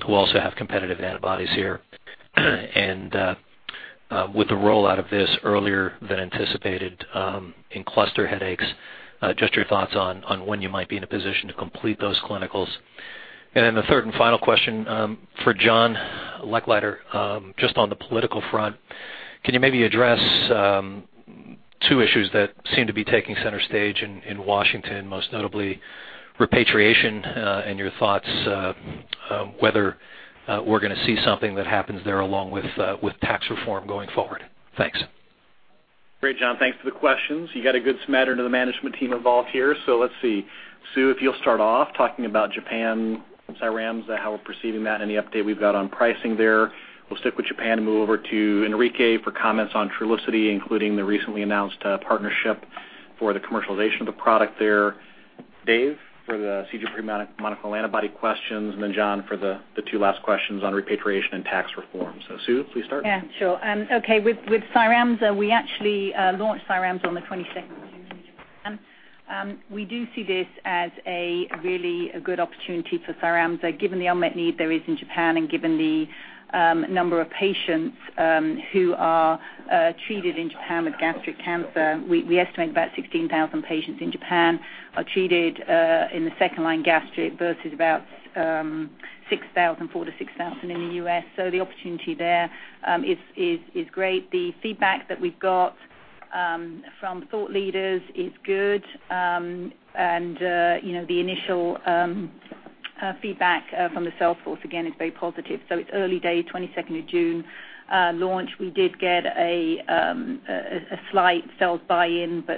who also have competitive antibodies here? With the rollout of this earlier than anticipated in cluster headaches, just your thoughts on when you might be in a position to complete those clinicals. The third and final question for John Lechleiter, just on the political front. Can you maybe address two issues that seem to be taking center stage in Washington, most notably repatriation, and your thoughts whether we're going to see something that happens there along with tax reform going forward? Thanks. Great, John. Thanks for the questions. You got a good smattering of the management team involved here. Let's see, Sue, if you'll start off talking about Japan, Cyramza, how we're perceiving that, any update we've got on pricing there. We'll stick with Japan and move over to Enrique for comments on Trulicity, including the recently announced partnership for the commercialization of the product there. Dave, for the CGRP monoclonal antibody questions, and then John for the two last questions on repatriation and tax reform. Sue, please start. Yeah, sure. Okay, with Cyramza, we actually launched Cyramza on the 22nd of June in Japan. We do see this as a really good opportunity for Cyramza, given the unmet need there is in Japan and given the number of patients who are treated in Japan with gastric cancer. We estimate about 16,000 patients in Japan are treated in the second-line gastric versus about 4,000 to 6,000 in the U.S. The opportunity there is great. The feedback that we've got from thought leaders is good. The initial feedback from the sales force, again, is very positive. It's early days, 22nd of June launch.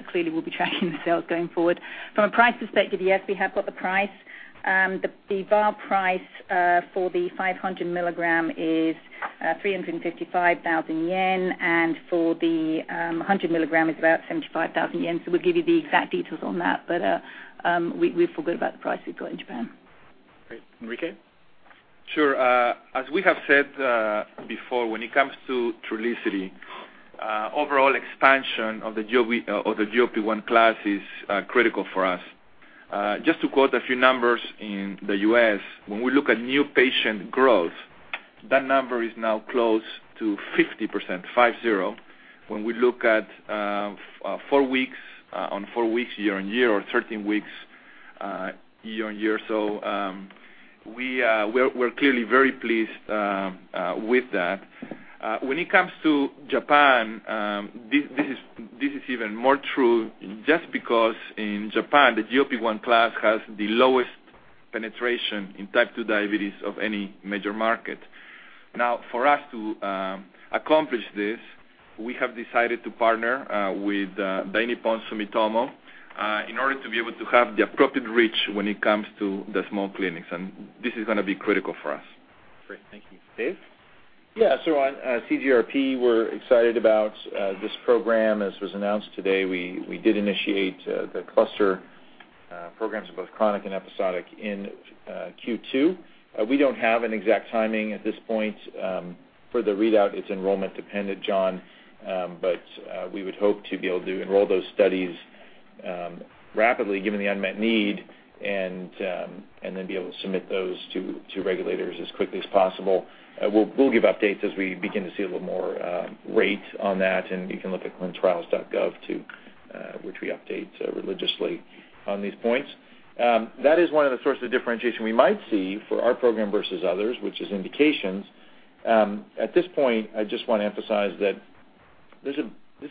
Clearly we'll be tracking the sales going forward. From a price perspective, yes, we have got the price. The bar price for the 500 milligram is 355,000 yen, and for the 100 milligram, it's about 75,000 yen. We'll give you the exact details on that. We feel good about the price we've got in Japan. Great. Enrique? Sure. As we have said before, when it comes to Trulicity, overall expansion of the GLP-1 class is critical for us. Just to quote a few numbers in the U.S., when we look at new patient growth, that number is now close to 50%, when we look on 4 weeks year-on-year or 13 weeks year-on-year. We're clearly very pleased with that. When it comes to Japan, this is even more true just because in Japan, the GLP-1 class has the lowest penetration in type 2 diabetes of any major market. For us to accomplish this, we have decided to partner with Sumitomo Dainippon Pharma in order to be able to have the appropriate reach when it comes to the small clinics, and this is going to be critical for us. Great. Thank you. Dave? Yeah. On CGRP, we're excited about this program. As was announced today, we did initiate the cluster programs of both chronic and episodic in Q2. We don't have an exact timing at this point for the readout. It's enrollment-dependent, John. We would hope to be able to enroll those studies rapidly given the unmet need, and then be able to submit those to regulators as quickly as possible. We'll give updates as we begin to see a little more rate on that, and you can look at clinicaltrials.gov too, which we update religiously on these points. That is one of the sources of differentiation we might see for our program versus others, which is indications. At this point, I just want to emphasize that this is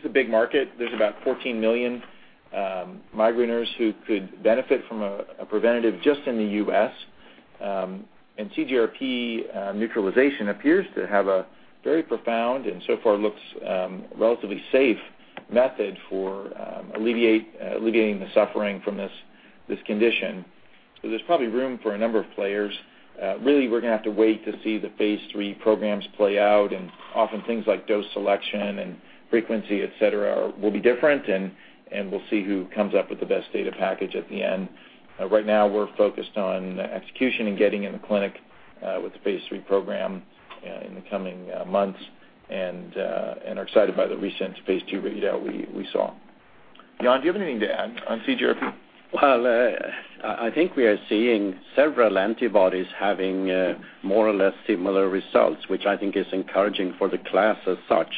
a big market. There's about 14 million migraineurs who could benefit from a preventative just in the U.S. CGRP neutralization appears to have a very profound, and so far looks relatively safe method for alleviating the suffering from this condition. There's probably room for a number of players. Really, we're going to have to wait to see the phase III programs play out, and often things like dose selection and frequency, et cetera, will be different, and we'll see who comes up with the best data package at the end. Right now, we're focused on execution and getting in the clinic with the phase III program in the coming months and are excited by the recent phase II readout we saw. John, do you have anything to add on CGRP? Well, I think we are seeing several antibodies having more or less similar results, which I think is encouraging for the class as such.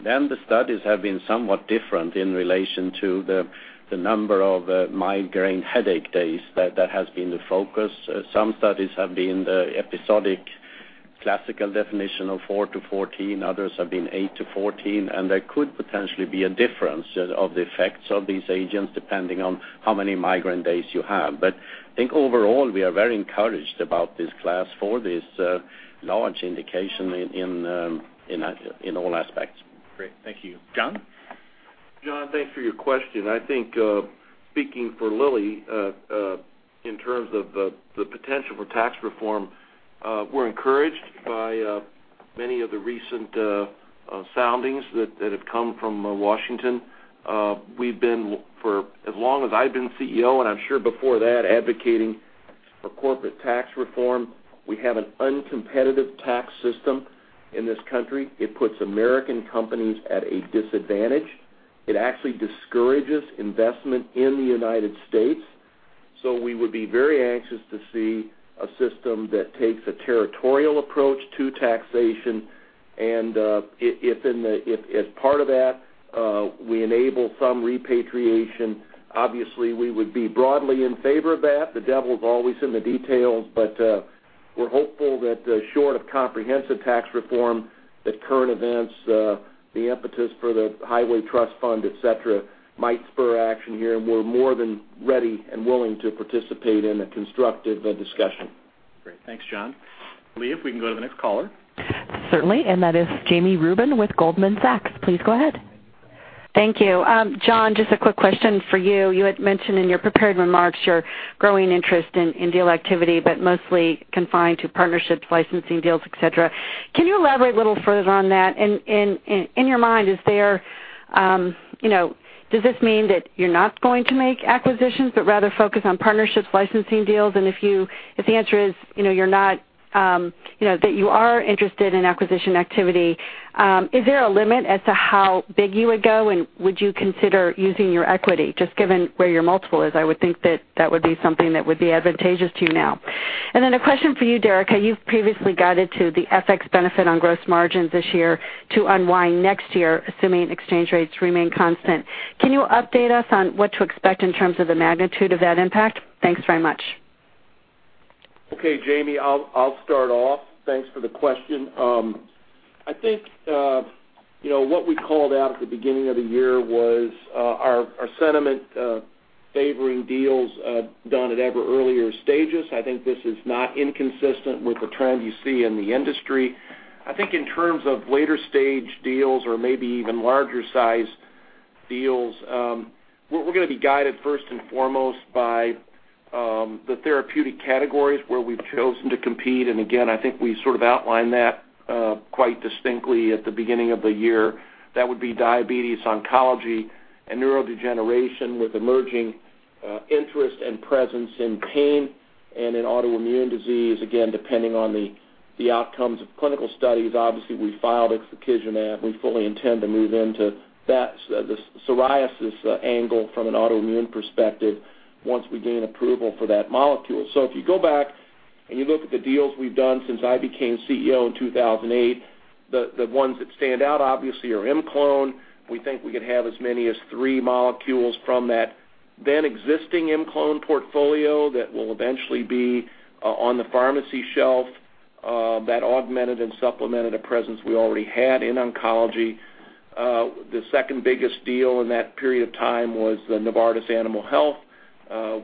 The studies have been somewhat different in relation to the number of migraine headache days that has been the focus. Some studies have been the episodic classical definition of 4-14, others have been 8-14, and there could potentially be a difference of the effects of these agents depending on how many migraine days you have. I think overall, we are very encouraged about this class for this large indication in all aspects. Great. Thank you. John? John, thanks for your question. I think speaking for Lilly, in terms of the potential for tax reform, we're encouraged by many of the recent soundings that have come from Washington. We've been, for as long as I've been CEO, and I'm sure before that, advocating for corporate tax reform. We have an uncompetitive tax system in this country. It puts American companies at a disadvantage. It actually discourages investment in the United States. We would be very anxious to see a system that takes a territorial approach to taxation. If as part of that, we enable some repatriation, obviously, we would be broadly in favor of that. The devil's always in the details, but we're hopeful that short of comprehensive tax reform, that current events, the impetus for the Highway Trust Fund, et cetera, might spur action here, and we're more than ready and willing to participate in a constructive discussion. Great. Thanks, John. Leah, if we can go to the next caller. Certainly, that is Jami Rubin with Goldman Sachs. Please go ahead. Thank you. John, just a quick question for you. You had mentioned in your prepared remarks your growing interest in deal activity, mostly confined to partnerships, licensing deals, et cetera. Can you elaborate a little further on that? In your mind, does this mean that you're not going to make acquisitions, but rather focus on partnerships, licensing deals? If the answer is that you are interested in acquisition activity, is there a limit as to how big you would go, and would you consider using your equity? Just given where your multiple is, I would think that that would be something that would be advantageous to you now. Then a question for you, Derica. You've previously guided to the FX benefit on gross margins this year to unwind next year, assuming exchange rates remain constant. Can you update us on what to expect in terms of the magnitude of that impact? Thanks very much. Okay, Jami, I'll start off. Thanks for the question. I think what we called out at the beginning of the year was our sentiment favoring deals done at ever earlier stages. I think this is not inconsistent with the trend you see in the industry. I think in terms of later stage deals or maybe even larger size deals. We're going to be guided first and foremost by the therapeutic categories where we've chosen to compete. Again, I think we sort of outlined that quite distinctly at the beginning of the year. That would be diabetes, oncology, and neurodegeneration, with emerging interest and presence in pain and in autoimmune disease. Again, depending on the outcomes of clinical studies. Obviously, we filed ixekizumab. We fully intend to move into the psoriasis angle from an autoimmune perspective once we gain approval for that molecule. If you go back and you look at the deals we've done since I became CEO in 2008, the ones that stand out obviously are ImClone. We think we could have as many as three molecules from that then-existing ImClone portfolio that will eventually be on the pharmacy shelf that augmented and supplemented a presence we already had in oncology. The second biggest deal in that period of time was the Novartis Animal Health.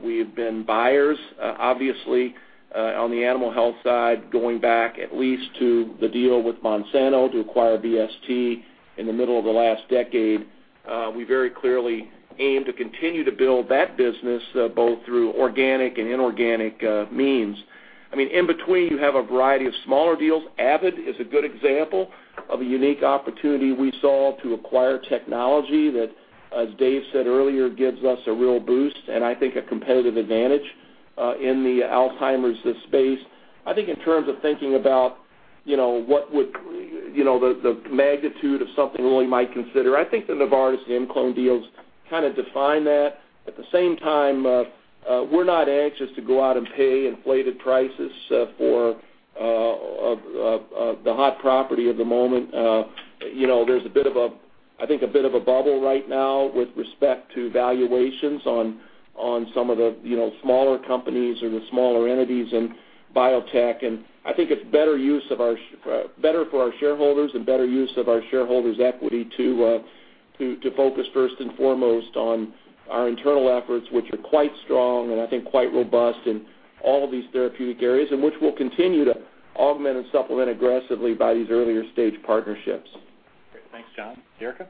We have been buyers, obviously, on the animal health side, going back at least to the deal with Monsanto to acquire BST in the middle of the last decade. We very clearly aim to continue to build that business, both through organic and inorganic means. In between, you have a variety of smaller deals. Avid is a good example of a unique opportunity we saw to acquire technology that, as Dave said earlier, gives us a real boost and I think a competitive advantage in the Alzheimer's space. I think in terms of thinking about the magnitude of something we might consider, I think the Novartis and ImClone deals kind of define that. At the same time, we're not anxious to go out and pay inflated prices for the hot property of the moment. There's, I think, a bit of a bubble right now with respect to valuations on some of the smaller companies or the smaller entities in biotech. I think it's better for our shareholders and better use of our shareholders' equity to focus first and foremost on our internal efforts, which are quite strong and I think quite robust in all of these therapeutic areas, and which we'll continue to augment and supplement aggressively by these earlier-stage partnerships. Great. Thanks, John. Derica?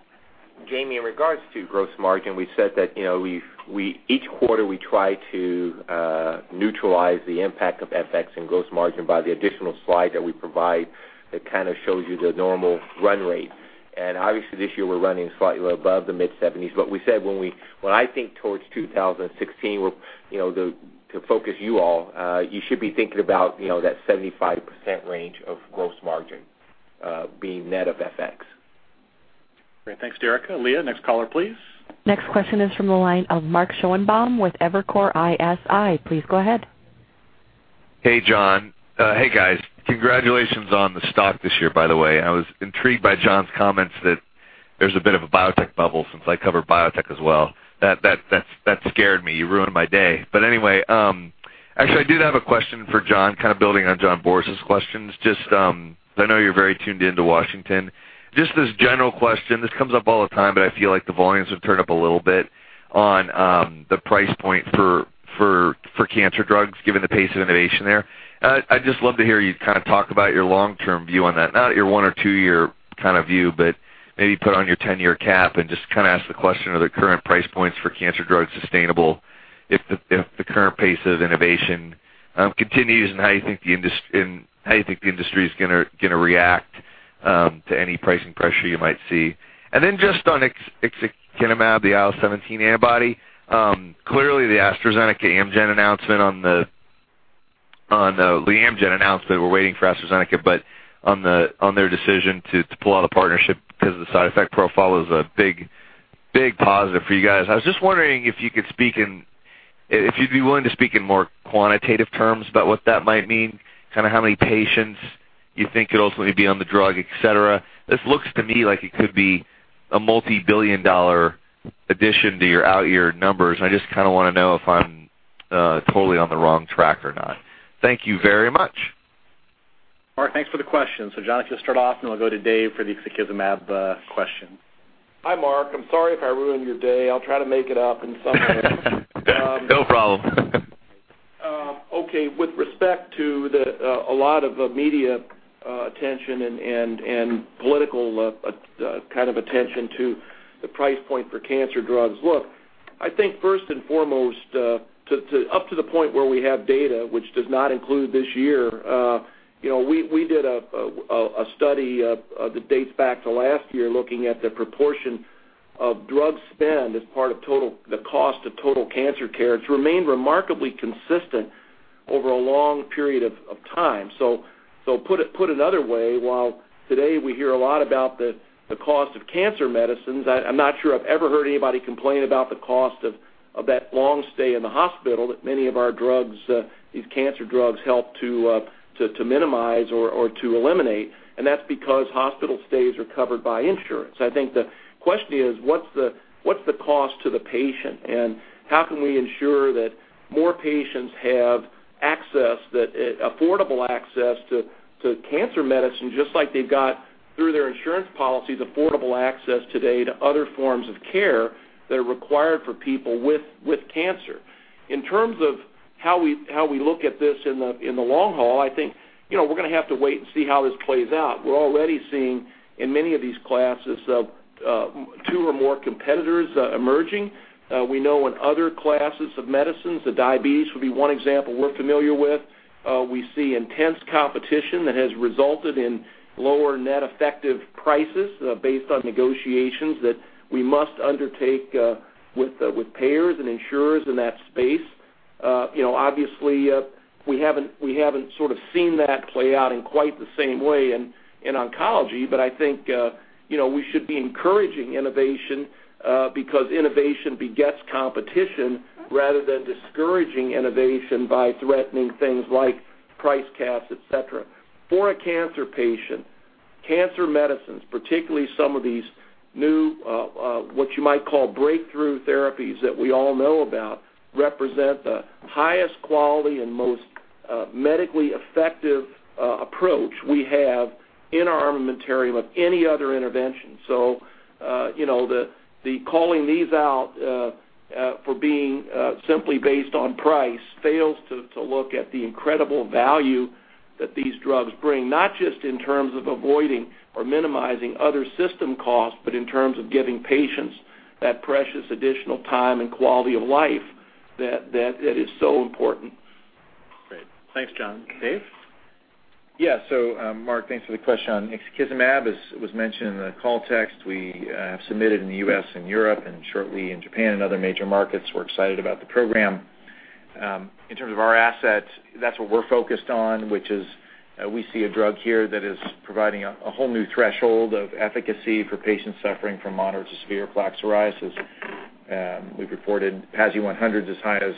Jami, in regards to gross margin, we said that each quarter we try to neutralize the impact of FX and gross margin by the additional slide that we provide that kind of shows you the normal run rate. Obviously this year we're running slightly above the mid-70s. We said when I think towards 2016, to focus you all, you should be thinking about that 75% range of gross margin being net of FX. Great. Thanks, Derica. Leah, next caller, please. Next question is from the line of Mark Schoenebaum with Evercore ISI. Please go ahead. Hey, John. Hey, guys. Congratulations on the stock this year, by the way. I was intrigued by John's comments that there's a bit of a biotech bubble since I cover biotech as well. That scared me. You ruined my day. Anyway, actually, I did have a question for John, kind of building on John Boris's questions. Just because I know you're very tuned in to Washington. Just as general question, this comes up all the time, but I feel like the volumes have turned up a little bit on the price point for cancer drugs, given the pace of innovation there. I'd just love to hear you kind of talk about your long-term view on that. Not your one or two-year kind of view, but maybe put on your 10-year cap and just kind of ask the question, are the current price points for cancer drugs sustainable if the current pace of innovation continues, and how you think the industry is going to react to any pricing pressure you might see. Then just on ixekizumab, the IL-17 antibody. Clearly, the AstraZeneca-Amgen announcement on the-- The Amgen announcement. We're waiting for AstraZeneca, on their decision to pull out a partnership because of the side effect profile is a big positive for you guys. I was just wondering if you'd be willing to speak in more quantitative terms about what that might mean, kind of how many patients you think could ultimately be on the drug, et cetera. This looks to me like it could be a multi-billion dollar addition to your out-year numbers, and I just kind of want to know if I'm totally on the wrong track or not. Thank you very much. Mark, thanks for the question. John, if you'll start off, and then we'll go to Dave for the ixekizumab question. Hi, Mark. I'm sorry if I ruined your day. I'll try to make it up in some way. No problem. Okay. With respect to a lot of the media attention and political kind of attention to the price point for cancer drugs. Look, I think first and foremost, up to the point where we have data, which does not include this year, we did a study that dates back to last year looking at the proportion of drug spend as part of the cost of total cancer care. It's remained remarkably consistent over a long period of time. Put another way, while today we hear a lot about the cost of cancer medicines, I'm not sure I've ever heard anybody complain about the cost of that long stay in the hospital that many of our drugs, these cancer drugs, help to minimize or to eliminate. That's because hospital stays are covered by insurance. I think the question is, what's the cost to the patient, and how can we ensure that more patients have affordable access to cancer medicine, just like they've got through their insurance policies, affordable access today to other forms of care that are required for people with cancer. In terms of How we look at this in the long haul, I think we're going to have to wait and see how this plays out. We're already seeing, in many of these classes, two or more competitors emerging. We know in other classes of medicines, the diabetes would be one example we're familiar with, we see intense competition that has resulted in lower net effective prices based on negotiations that we must undertake with payers and insurers in that space. Obviously, we haven't seen that play out in quite the same way in oncology, I think we should be encouraging innovation because innovation begets competition rather than discouraging innovation by threatening things like price caps, et cetera. For a cancer patient, cancer medicines, particularly some of these new, what you might call breakthrough therapies that we all know about, represent the highest quality and most medically effective approach we have in our armamentarium of any other intervention. The calling these out for being simply based on price fails to look at the incredible value that these drugs bring, not just in terms of avoiding or minimizing other system costs, but in terms of giving patients that precious additional time and quality of life that is so important. Great. Thanks, John. Dave? Mark, thanks for the question on ixekizumab. As was mentioned in the call text, we have submitted in the U.S. and Europe, and shortly in Japan and other major markets. We're excited about the program. In terms of our assets, that's what we're focused on, which is we see a drug here that is providing a whole new threshold of efficacy for patients suffering from moderate to severe plaque psoriasis. We've reported PASI 100 as high as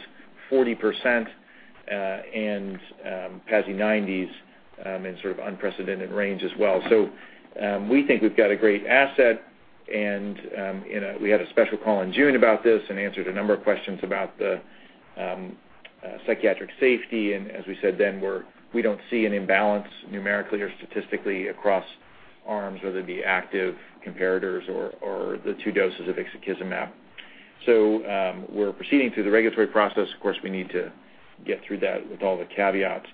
40% and PASI 90s in sort of unprecedented range as well. We think we've got a great asset and we had a special call in June about this and answered a number of questions about the psychiatric safety. As we said then, we don't see an imbalance numerically or statistically across arms, whether it be active comparators or the two doses of ixekizumab. We're proceeding through the regulatory process. Of course, we need to get through that with all the caveats.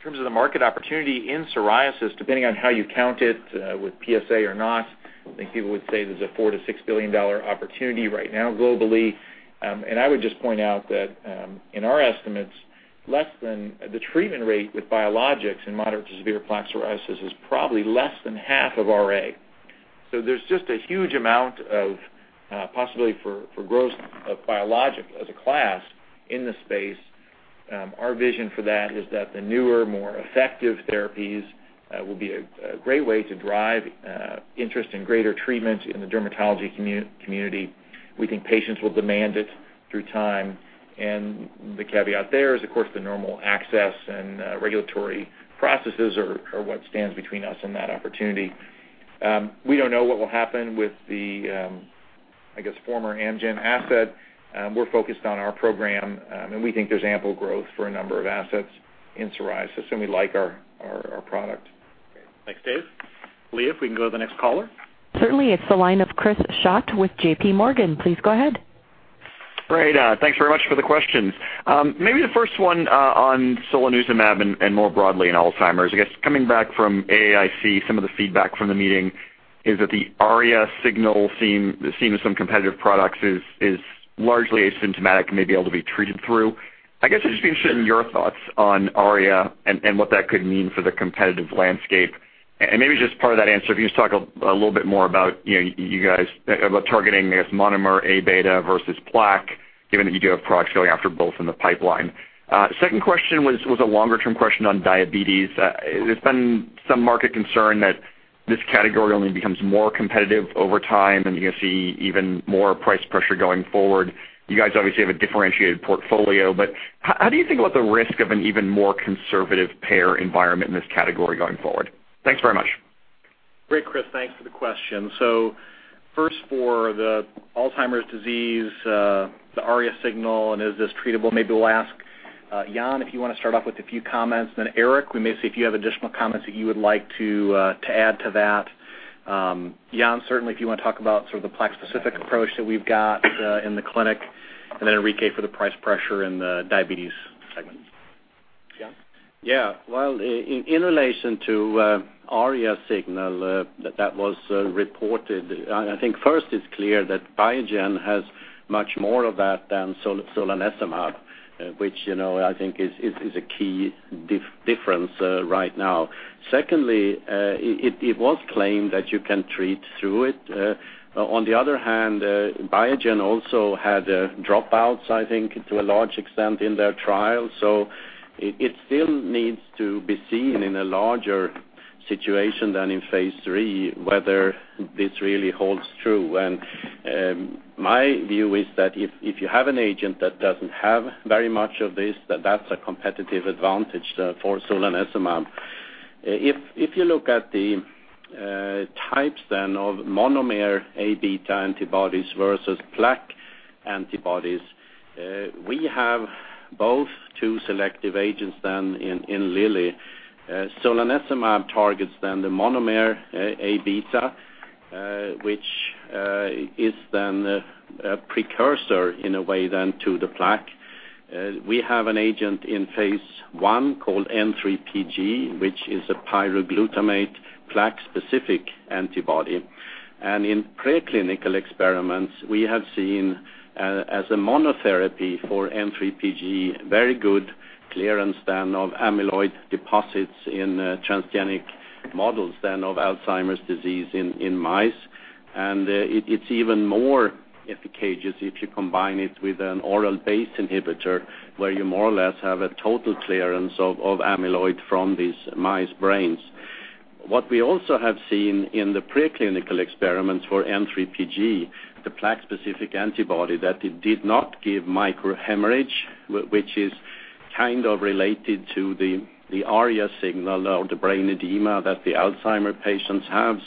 In terms of the market opportunity in psoriasis, depending on how you count it with PSA or not, I think people would say there's a $4 billion-$6 billion opportunity right now globally. I would just point out that in our estimates, the treatment rate with biologics in moderate to severe plaque psoriasis is probably less than half of RA. There's just a huge amount of possibility for growth of biologic as a class in this space. Our vision for that is that the newer, more effective therapies will be a great way to drive interest in greater treatment in the dermatology community. We think patients will demand it through time. The caveat there is, of course, the normal access and regulatory processes are what stands between us and that opportunity. We don't know what will happen with the, I guess, former Amgen asset. We're focused on our program. We think there's ample growth for a number of assets in psoriasis. We like our product. Great. Thanks, Dave. Leah, if we can go to the next caller. Certainly. It's the line of Chris Schott with JPMorgan. Please go ahead. Great. Thanks very much for the questions. Maybe the first one on solanezumab and more broadly in Alzheimer's. I guess coming back from AAIC, some of the feedback from the meeting is that the ARIA signal seen in some competitive products is largely asymptomatic and may be able to be treated through. I guess I'd just be interested in your thoughts on ARIA and what that could mean for the competitive landscape. Maybe just part of that answer, if you just talk a little bit more about targeting, I guess, monomer Aβ versus plaque, given that you do have products going after both in the pipeline. Second question was a longer-term question on diabetes. There's been some market concern that this category only becomes more competitive over time. You're going to see even more price pressure going forward. You guys obviously have a differentiated portfolio, how do you think about the risk of an even more conservative payer environment in this category going forward? Thanks very much. Great, Chris. Thanks for the question. First for the Alzheimer's disease, the ARIA signal, is this treatable? Maybe we'll ask Jan if you want to start off with a few comments, Eric, we may see if you have additional comments that you would like to add to that. Jan, certainly if you want to talk about sort of the plaque-specific approach that we've got in the clinic, Enrique for the price pressure in the diabetes segment. Jan? Yeah. Well, in relation to ARIA signal that was reported, I think first it's clear that Biogen has much more of that than solanezumab, which I think is a key difference right now. Secondly, it was claimed that you can treat through it. On the other hand, Biogen also had dropouts, I think, to a large extent in their trial. It still needs to be seen in a larger situation than in phase III, whether this really holds true. My view is that if you have an agent that doesn't have very much of this, that that's a competitive advantage for solanezumab. If you look at the types then of monomer Aβ antibodies versus plaque antibodies, we have both Two selective agents than in Lilly. Solanezumab targets then the monomer Aβ, which is then a precursor, in a way, then to the plaque. We have an agent in phase I called N3pG, which is a pyroglutamate plaque-specific antibody. In preclinical experiments, we have seen, as a monotherapy for N3pG, very good clearance then of amyloid deposits in transgenic models than of Alzheimer's disease in mice. It's even more efficacious if you combine it with an oral BACE inhibitor, where you more or less have a total clearance of amyloid from these mice brains. What we also have seen in the preclinical experiments for N3pG, the plaque-specific antibody, that it did not give micro hemorrhage, which is kind of related to the ARIA signal or the brain edema that the Alzheimer's patients have.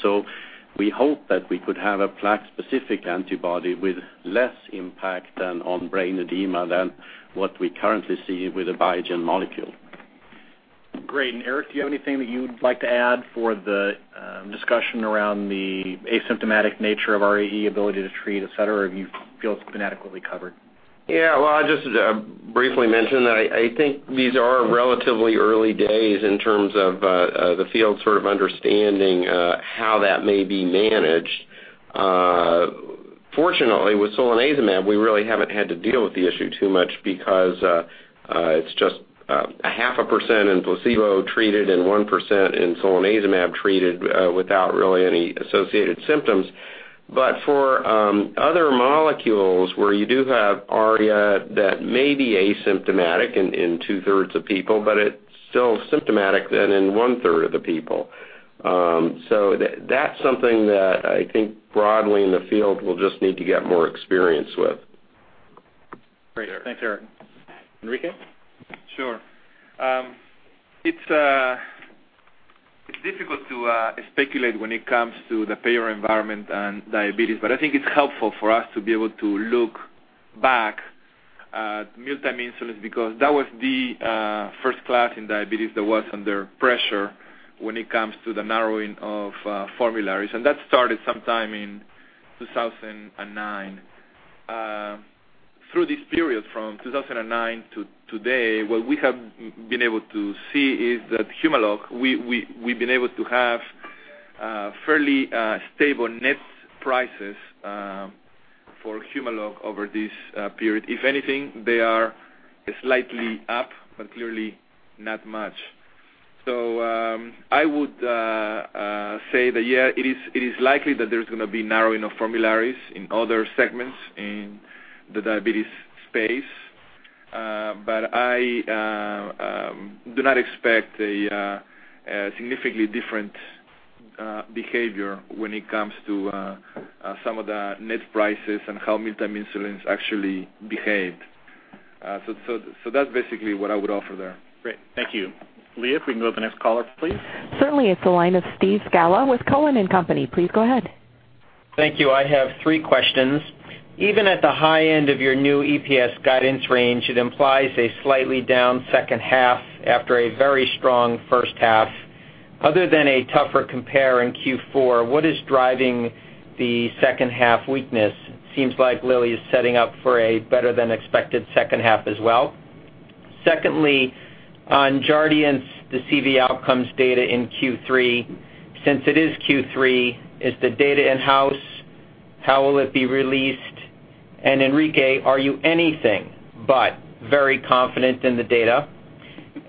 We hope that we could have a plaque-specific antibody with less impact than on brain edema than what we currently see with a Biogen molecule. Great. Eric, do you have anything that you'd like to add for the discussion around the asymptomatic nature of ARIA ability to treat, et cetera? Or do you feel it's been adequately covered? Well, I just briefly mention that I think these are relatively early days in terms of the field sort of understanding how that may be managed. Fortunately, with solanezumab, we really haven't had to deal with the issue too much because it's just a 0.5% in placebo-treated and 1% in solanezumab-treated, without really any associated symptoms. For other molecules where you do have ARIA that may be asymptomatic in two-thirds of people, it's still symptomatic then in one-third of the people. That's something that I think broadly in the field we'll just need to get more experience with. Great. Thanks, Eric. Enrique? Sure. It's difficult to speculate when it comes to the payer environment and diabetes, but I think it's helpful for us to be able to look back at mealtime insulin because that was the first class in diabetes that was under pressure when it comes to the narrowing of formularies. That started sometime in 2009. Through this period from 2009 to today, what we have been able to see is that Humalog, we've been able to have fairly stable net prices for Humalog over this period. If anything, they are slightly up, but clearly not much. I would say that yeah, it is likely that there's going to be narrowing of formularies in other segments in the diabetes space. I do not expect a significantly different behavior when it comes to some of the net prices and how mealtime insulins actually behave. That's basically what I would offer there. Great. Thank you. Leah, if we can go to the next caller, please. Certainly. It's the line of Steve Scala with Cowen and Company. Please go ahead. Thank you. I have three questions. Even at the high end of your new EPS guidance range, it implies a slightly down second half after a very strong first half. Other than a tougher compare in Q4, what is driving the second half weakness? Seems like Lilly is setting up for a better than expected second half as well. Secondly, on Jardiance, the CV outcomes data in Q3. Since it is Q3, is the data in-house, how will it be released? Enrique, are you anything but very confident in the data?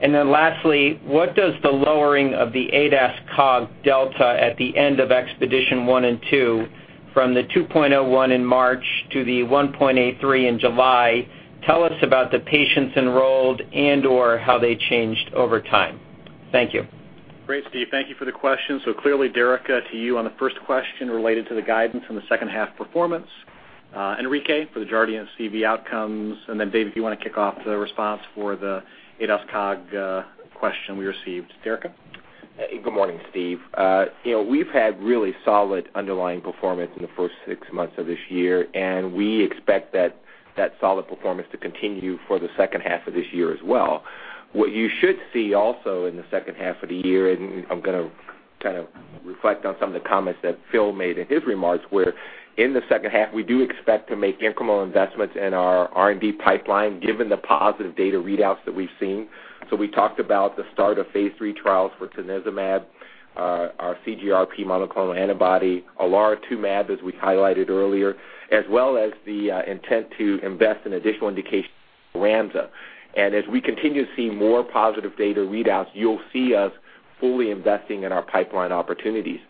Lastly, what does the lowering of the ADAS-Cog delta at the end of EXPEDITION-1 and -2 from the 2.01 in March to the 1.83 in July tell us about the patients enrolled and/or how they changed over time? Thank you. Great, Steve. Thank you for the question. Clearly, Derica, to you on the first question related to the guidance and the second half performance. Enrique, for the Jardiance CV outcomes, Dave, if you want to kick off the response for the ADAS-Cog question we received. Derica? Good morning, Steve. We've had really solid underlying performance in the first six months of this year. We expect that solid performance to continue for the second half of this year as well. What you should see also in the second half of the year, I'm going to kind of reflect on some of the comments that Phil made in his remarks, where in the second half, we do expect to make incremental investments in our R&D pipeline, given the positive data readouts that we've seen. We talked about the start of phase III trials for tanezumab, our CGRP monoclonal antibody, olaratumab, as we highlighted earlier, as well as the intent to invest in additional indications for Cyramza. As we continue to see more positive data readouts, you'll see us fully investing in our pipeline opportunities.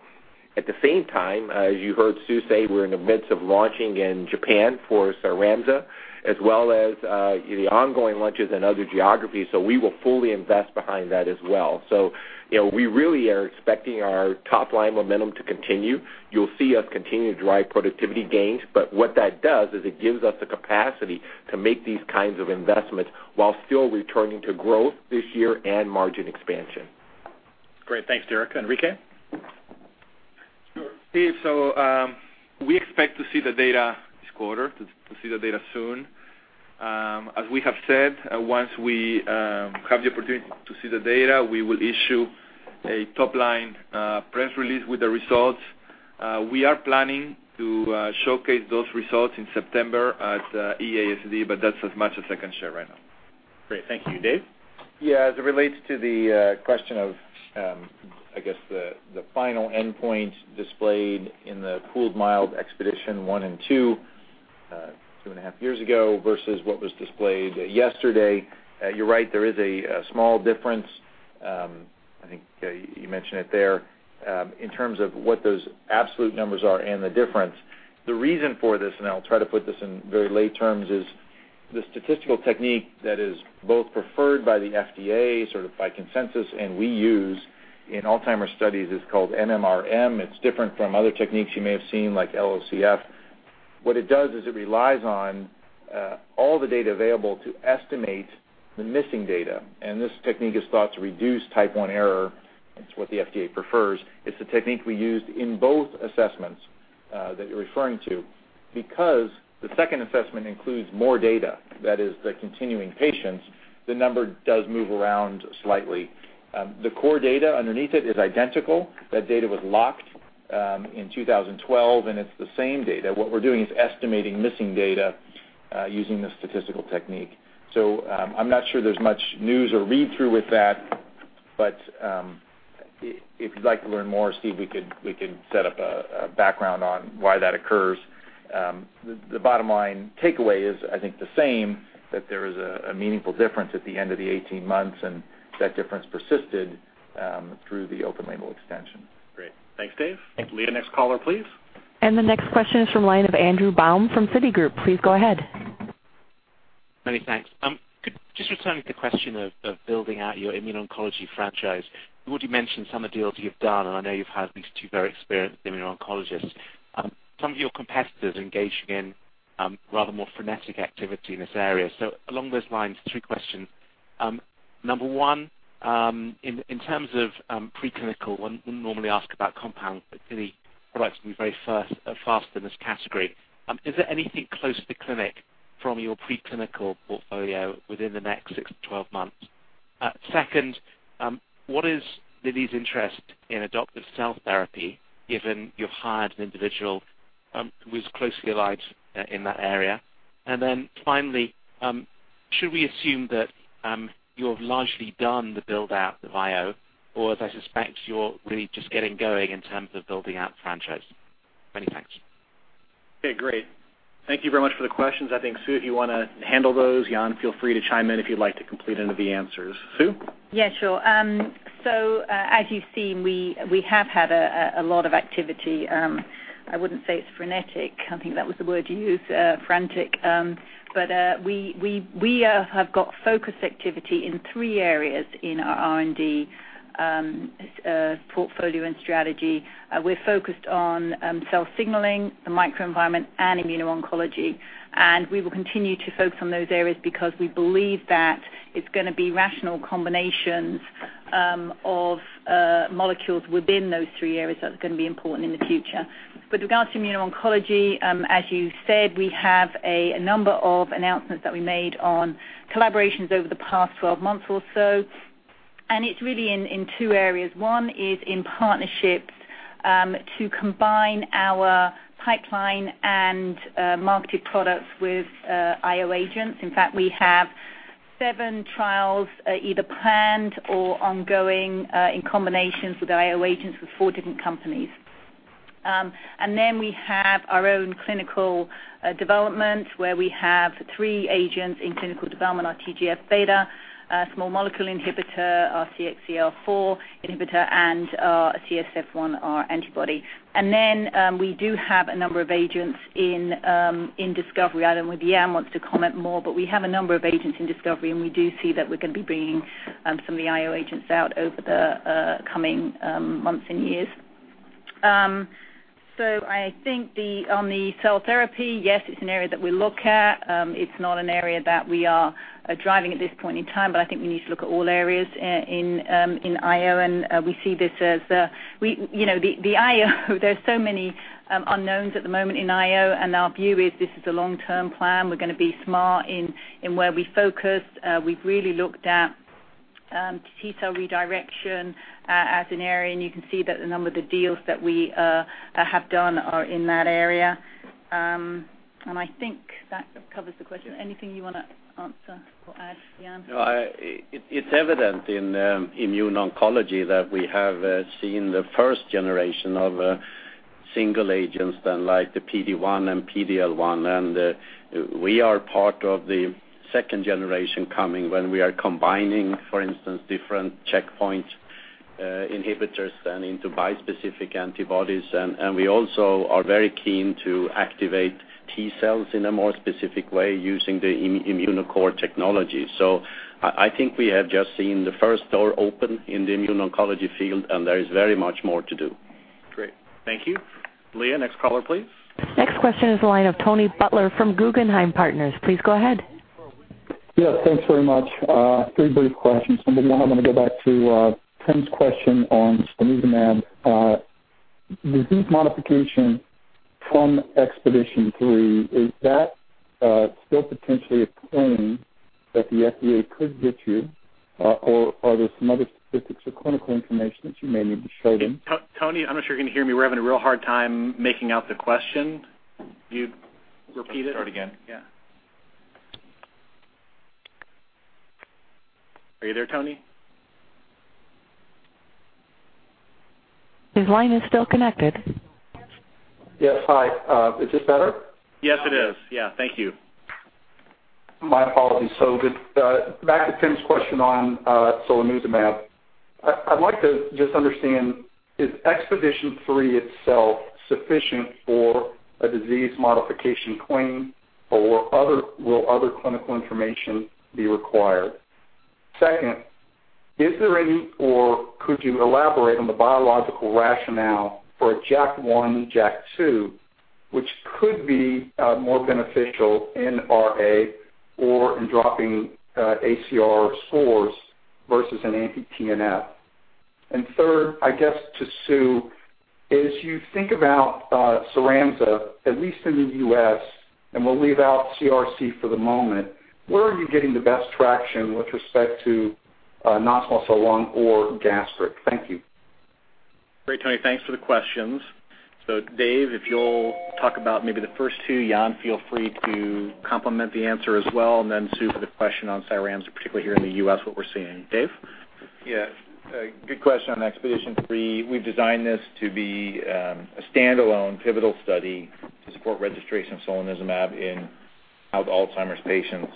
At the same time, as you heard Sue say, we're in the midst of launching in Japan for Cyramza, as well as the ongoing launches in other geographies. We will fully invest behind that as well. We really are expecting our top-line momentum to continue. You'll see us continue to drive productivity gains, what that does is it gives us the capacity to make these kinds of investments while still returning to growth this year and margin expansion. Great. Thanks, Derica. Enrique? Steve, we expect to see the data this quarter, to see the data soon. As we have said, once we have the opportunity to see the data, we will issue a top-line press release with the results. We are planning to showcase those results in September at EASD, that's as much as I can share right now. Great. Thank you. Dave? Yeah. As it relates to the question of, I guess, the final endpoint displayed in the pooled Mild EXPEDITION-1 and -2 and a half years ago versus what was displayed yesterday. You're right, there is a small difference. I think you mentioned it there. In terms of what those absolute numbers are and the difference, the reason for this, and I'll try to put this in very lay terms, is the statistical technique that is both preferred by the FDA, sort of by consensus, and we use in Alzheimer's studies is called MMRM. It's different from other techniques you may have seen, like LOCF. What it does is it relies on all the data available to estimate the missing data, and this technique is thought to reduce type 1 error. It's what the FDA prefers. It's the technique we used in both assessments that you're referring to. Because the second assessment includes more data, that is, the continuing patients, the number does move around slightly. The core data underneath it is identical. That data was locked in 2012, and it's the same data. What we're doing is estimating missing data using this statistical technique. I'm not sure there's much news or read-through with that, but if you'd like to learn more, Steve, we could set up a background on why that occurs. The bottom line takeaway is, I think, the same, that there is a meaningful difference at the end of the 18 months, and that difference persisted through the open label extension. Great. Thanks, Dave. Thank you. Leah, next caller, please. The next question is from line of Andrew Baum from Citigroup. Please go ahead. Many thanks. Just returning to the question of building out your immuno-oncology franchise. You already mentioned some of the deals that you've done, and I know you've had these two very experienced immuno-oncologists. Some of your competitors are engaging in rather more frenetic activity in this area. Along those lines, three questions. Number 1, in terms of preclinical, one wouldn't normally ask about compound, but Lilly products can be very fast in this category. Is there anything close to clinic from your preclinical portfolio within the next six to 12 months? Second, what is Lilly's interest in adoptive cell therapy, given you've hired an individual who is closely aligned in that area? Finally, should we assume that you have largely done the build-out of IO, or as I suspect, you're really just getting going in terms of building out the franchise? Many thanks. Okay, great. Thank you very much for the questions. I think, Sue, if you want to handle those. Jan, feel free to chime in if you'd like to complete any of the answers. Sue? Yeah, sure. As you've seen, we have had a lot of activity. I wouldn't say it's frenetic. I think that was the word you used, frantic. We have got focused activity in three areas in our R&D portfolio and strategy. We're focused on cell signaling, the microenvironment, and immuno-oncology. We will continue to focus on those areas because we believe that it's going to be rational combinations of molecules within those three areas that's going to be important in the future. With regards to immuno-oncology, as you said, we have a number of announcements that we made on collaborations over the past 12 months or so, and it's really in two areas. One is in partnerships to combine our pipeline and marketed products with IO agents. In fact, we have seven trials either planned or ongoing in combinations with IO agents with four different companies. We have our own clinical development, where we have three agents in clinical development, our TGF-β small molecule inhibitor, our CXCR4 inhibitor, and our CSF1 antibody. We do have a number of agents in discovery. I don't know whether Jan wants to comment more, but we have a number of agents in discovery, and we do see that we're going to be bringing some of the IO agents out over the coming months and years. I think on the cell therapy, yes, it's an area that we look at. It's not an area that we are driving at this point in time, but I think we need to look at all areas in IO, and we see this as the IO. There's so many unknowns at the moment in IO, and our view is this is a long-term plan. We're going to be smart in where we focus. We've really looked at T-cell redirection as an area, and you can see that a number of the deals that we have done are in that area. I think that covers the question. Anything you want to answer or add, Jan? No. It's evident in immune oncology that we have seen the first generation of single agents like the PD-1 and PD-L1. We are part of the second generation coming when we are combining, for instance, different checkpoint inhibitors into bispecific antibodies. We also are very keen to activate T-cells in a more specific way using the ImmunoCore technology. I think we have just seen the first door open in the immune oncology field, and there is very much more to do. Great. Thank you. Leah, next caller, please. Next question is the line of Tony Butler from Guggenheim Partners. Please go ahead. Yeah. Thanks very much. Three brief questions. Number one, I want to go back to Tim's question on solanezumab. With these modifications from EXPEDITION-3, is that still potentially a claim that the FDA could get you? Are there some other statistics or clinical information that you may need to show them? Tony, I'm not sure if you can hear me. We're having a real hard time making out the question. Can you repeat it? Start again. Yeah. Are you there, Tony? His line is still connected. Yes. Hi. Is this better? Yes, it is. Yeah. Thank you. My apologies. Back to Tim's question on solanezumab. I'd like to just understand, is EXPEDITION-3 itself sufficient for a disease modification claim, or will other clinical information be required? Second, could you elaborate on the biological rationale for a JAK1/JAK2, which could be more beneficial in RA or in dropping ACR scores versus an anti-TNF? Third, I guess to Sue, as you think about Cyramza, at least in the U.S., and we'll leave out CRC for the moment, where are you getting the best traction with respect to non-small cell lung or gastric? Thank you. Great, Tony. Thanks for the questions. Dave, if you'll talk about maybe the first two. Jan, feel free to complement the answer as well, Sue for the question on Cyramza, particularly here in the U.S., what we're seeing. Dave? Good question on EXPEDITION-3. We've designed this to be a standalone pivotal study to support registration of solanezumab in mild Alzheimer's patients.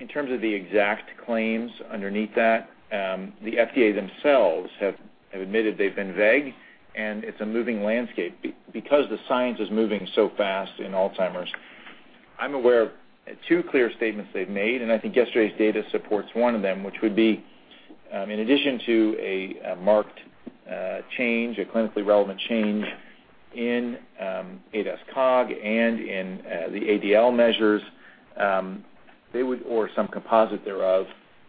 In terms of the exact claims underneath that, the FDA themselves have admitted they've been vague, and it's a moving landscape. Because the science is moving so fast in Alzheimer's, I'm aware of two clear statements they've made, and I think yesterday's data supports one of them, which would be, in addition to a marked change, a clinically relevant change in ADAS-Cog and in the ADL measures, or some composite thereof,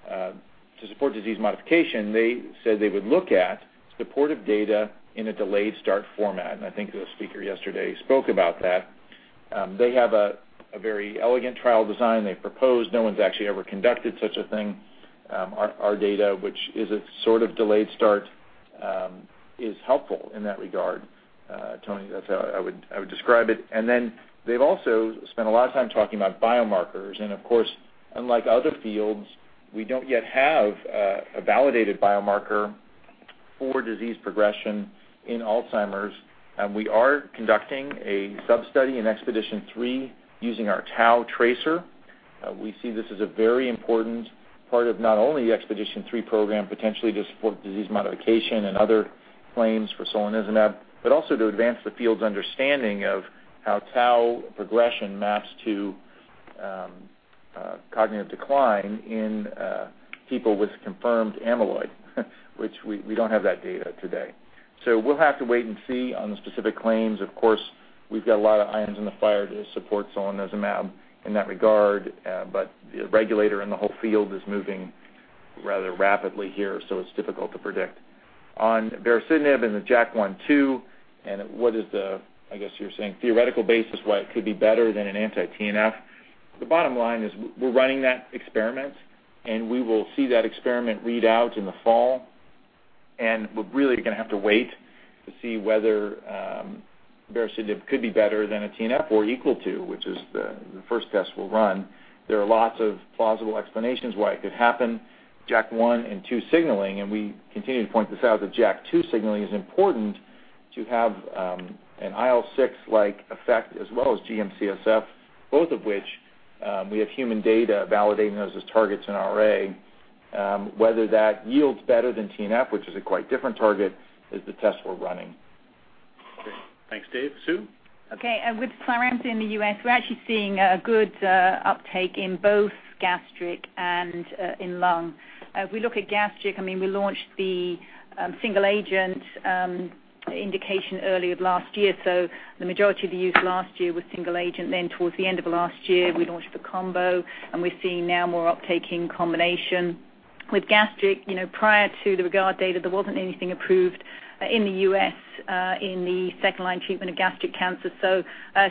to support disease modification, they said they would look at supportive data in a delayed start format, and I think the speaker yesterday spoke about that. They have a very elegant trial design they've proposed. No one's actually ever conducted such a thing. Our data, which is a sort of delayed start, is helpful in that regard, Tony. That's how I would describe it. They've also spent a lot of time talking about biomarkers. Of course, unlike other fields, we don't yet have a validated biomarker for disease progression in Alzheimer's. We are conducting a sub-study in EXPEDITION-3 using our tau tracer. We see this as a very important part of not only the EXPEDITION-3 program, potentially to support disease modification and other claims for solanezumab, but also to advance the field's understanding of how tau progression maps to cognitive decline in people with confirmed amyloid, which we don't have that data today. We'll have to wait and see on the specific claims. Of course, we've got a lot of irons in the fire to support solanezumab in that regard. The regulator and the whole field is moving rather rapidly here, so it's difficult to predict. On baricitinib and the JAK1/2, and what is the, I guess you're saying, theoretical basis why it could be better than an anti-TNF. The bottom line is we're running that experiment, and we will see that experiment read out in the fall. We're really going to have to wait to see whether baricitinib could be better than a TNF or equal to, which is the first test we'll run. There are lots of plausible explanations why it could happen. JAK1 and 2 signaling, and we continue to point this out, that JAK2 signaling is important to have an IL-6-like effect, as well as GM-CSF, both of which we have human data validating those as targets in RA. Whether that yields better than TNF, which is a quite different target, is the test we're running. Great. Thanks, Dave. Sue? Okay. With Cyramza in the U.S., we're actually seeing a good uptake in both gastric and in lung. We look at gastric, we launched the single-agent indication early of last year. The majority of the use last year was single agent. Towards the end of last year, we launched the combo, and we're seeing now more uptake in combination. With gastric, prior to the REGARD data, there wasn't anything approved in the U.S. in the second-line treatment of gastric cancer.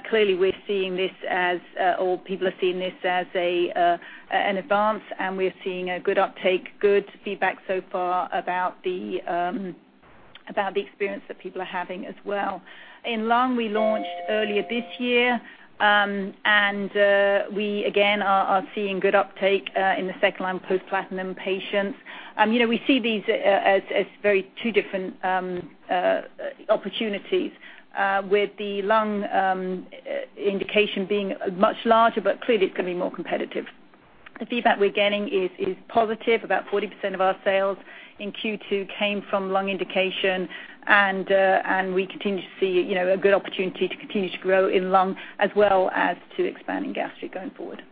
Clearly, we're seeing this as, or people are seeing this as an advance, and we're seeing a good uptake, good feedback so far about the experience that people are having as well. In lung, we launched earlier this year. We again are seeing good uptake in the second-line post-platinum patients. We see these as very two different opportunities, with the lung indication being much larger, but clearly it's going to be more competitive. The feedback we're getting is positive. About 40% of our sales in Q2 came from lung indication, and we continue to see a good opportunity to continue to grow in lung as well as to expand in gastric going forward.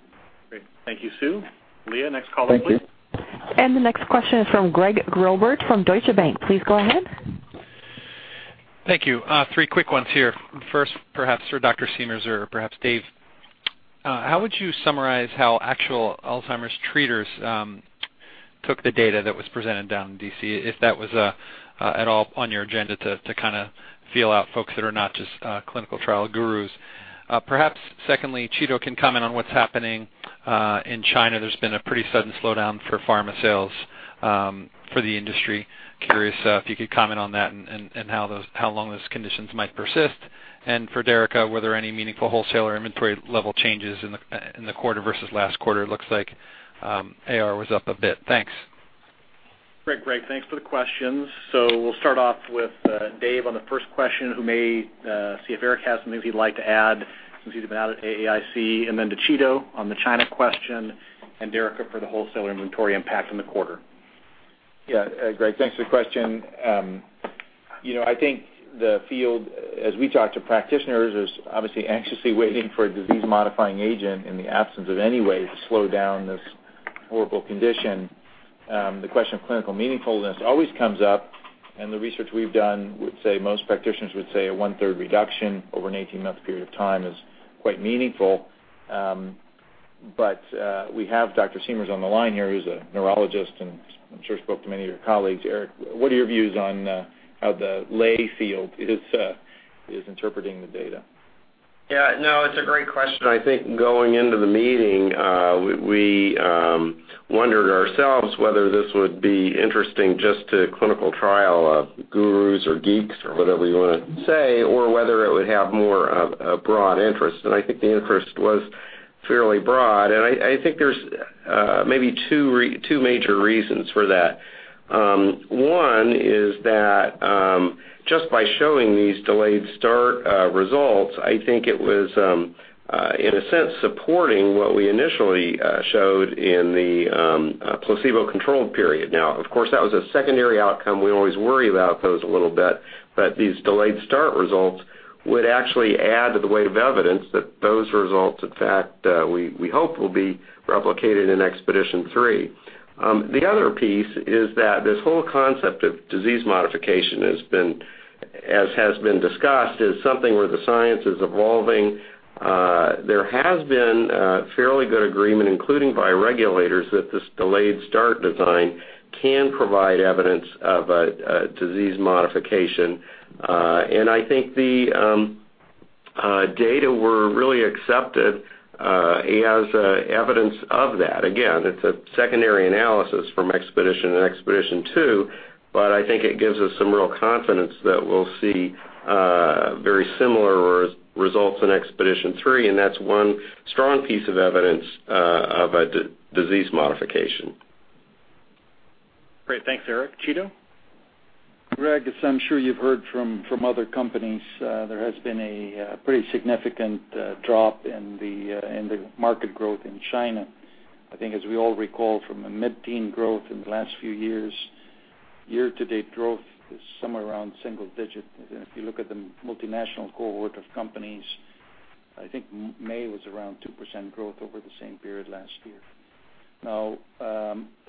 Great. Thank you, Sue. Leah, next caller, please. The next question is from Gregg Gilbert from Deutsche Bank. Please go ahead. Thank you. Three quick ones here. First, perhaps for Dr. Siemers or perhaps Dave, how would you summarize how actual Alzheimer's treaters took the data that was presented down in D.C., if that was at all on your agenda to feel out folks that are not just clinical trial gurus? Perhaps secondly, Chito can comment on what's happening in China. There's been a pretty sudden slowdown for pharma sales for the industry. Curious if you could comment on that and how long those conditions might persist. For Derica, were there any meaningful wholesaler inventory level changes in the quarter versus last quarter? It looks like AR was up a bit. Thanks. Great, Gregg. Thanks for the questions. We'll start off with Dave on the first question, who may see if Eric has maybe liked to add since he's been out at AAIC, and then to Chito on the China question, and Derica for the wholesaler inventory impact in the quarter. Gregg, thanks for the question. I think the field, as we talk to practitioners, is obviously anxiously waiting for a disease-modifying agent in the absence of any way to slow down this horrible condition. The question of clinical meaningfulness always comes up, and the research we've done would say most practitioners would say a one-third reduction over an 18-month period of time is quite meaningful. We have Dr. Siemers on the line here, who's a neurologist, and I'm sure spoke to many of your colleagues. Eric, what are your views on how the lay field is interpreting the data? It's a great question. I think going into the meeting, we wondered ourselves whether this would be interesting just to clinical trial gurus or geeks or whatever you want to say, or whether it would have more of a broad interest. I think the interest was fairly broad, and I think there's maybe two major reasons for that. One is that just by showing these delayed start results, I think it was, in a sense, supporting what we initially showed in the placebo-controlled period. Now, of course, that was a secondary outcome. We always worry about those a little bit, but these delayed start results would actually add to the weight of evidence that those results, in fact, we hope, will be replicated in EXPEDITION-3. The other piece is that this whole concept of disease modification has been, as has been discussed, is something where the science is evolving. There has been fairly good agreement, including by regulators, that this delayed start design can provide evidence of a disease modification. I think the data were really accepted as evidence of that. Again, it's a secondary analysis from EXPEDITION and EXPEDITION2, I think it gives us some real confidence that we'll see very similar results in EXPEDITION-3, that's one strong piece of evidence of a disease modification. Great. Thanks, Eric. Chito? Gregg, as I'm sure you've heard from other companies, there has been a pretty significant drop in the market growth in China. I think as we all recall from a mid-teen growth in the last few years, year-to-date growth is somewhere around single digit. If you look at the multinational cohort of companies, I think May was around 2% growth over the same period last year.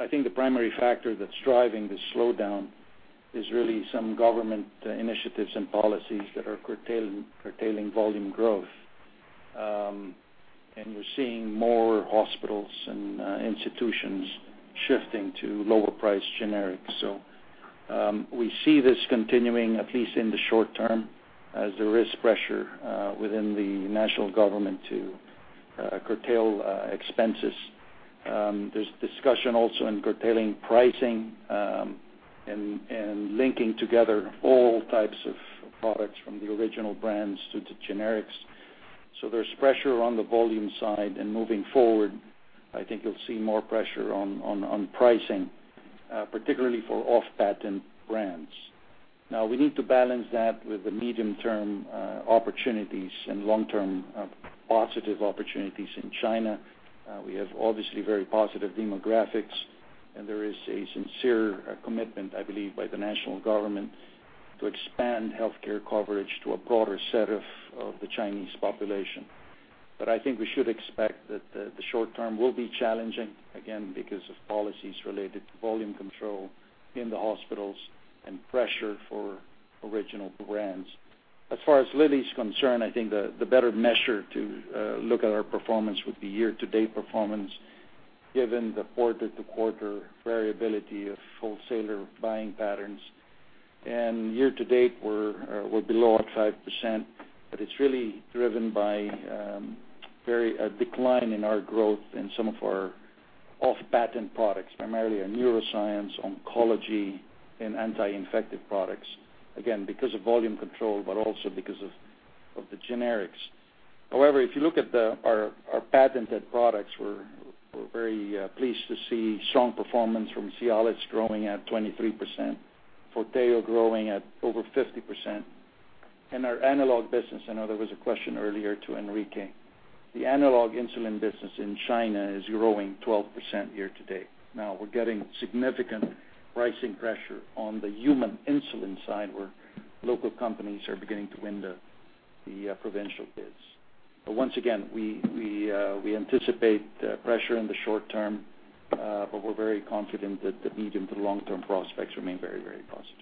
I think the primary factor that's driving this slowdown is really some government initiatives and policies that are curtailing volume growth, and we're seeing more hospitals and institutions shifting to lower-priced generics. We see this continuing, at least in the short term, as there is pressure within the national government to curtail expenses. There's discussion also in curtailing pricing and linking together all types of products from the original brands to the generics. There's pressure on the volume side, and moving forward, I think you'll see more pressure on pricing, particularly for off-patent brands. We need to balance that with the medium-term opportunities and long-term positive opportunities in China. We have obviously very positive demographics, and there is a sincere commitment, I believe, by the national government to expand healthcare coverage to a broader set of the Chinese population. I think we should expect that the short term will be challenging, again, because of policies related to volume control in the hospitals and pressure for original brands. As far as Lilly's concerned, I think the better measure to look at our performance would be year-to-date performance, given the quarter-to-quarter variability of wholesaler buying patterns. Year to date, we're below at 5%, but it's really driven by a decline in our growth in some of our off-patent products, primarily our neuroscience, oncology, and anti-infective products. Again, because of volume control, but also because of the generics. However, if you look at our patented products, we're very pleased to see strong performance from Cialis, growing at 23%, FORTEO growing at over 50%. In our analog business, I know there was a question earlier to Enrique. The analog insulin business in China is growing 12% year to date. We're getting significant pricing pressure on the human insulin side, where local companies are beginning to win the provincial bids. Once again, we anticipate pressure in the short term, but we're very confident that the medium to long-term prospects remain very positive.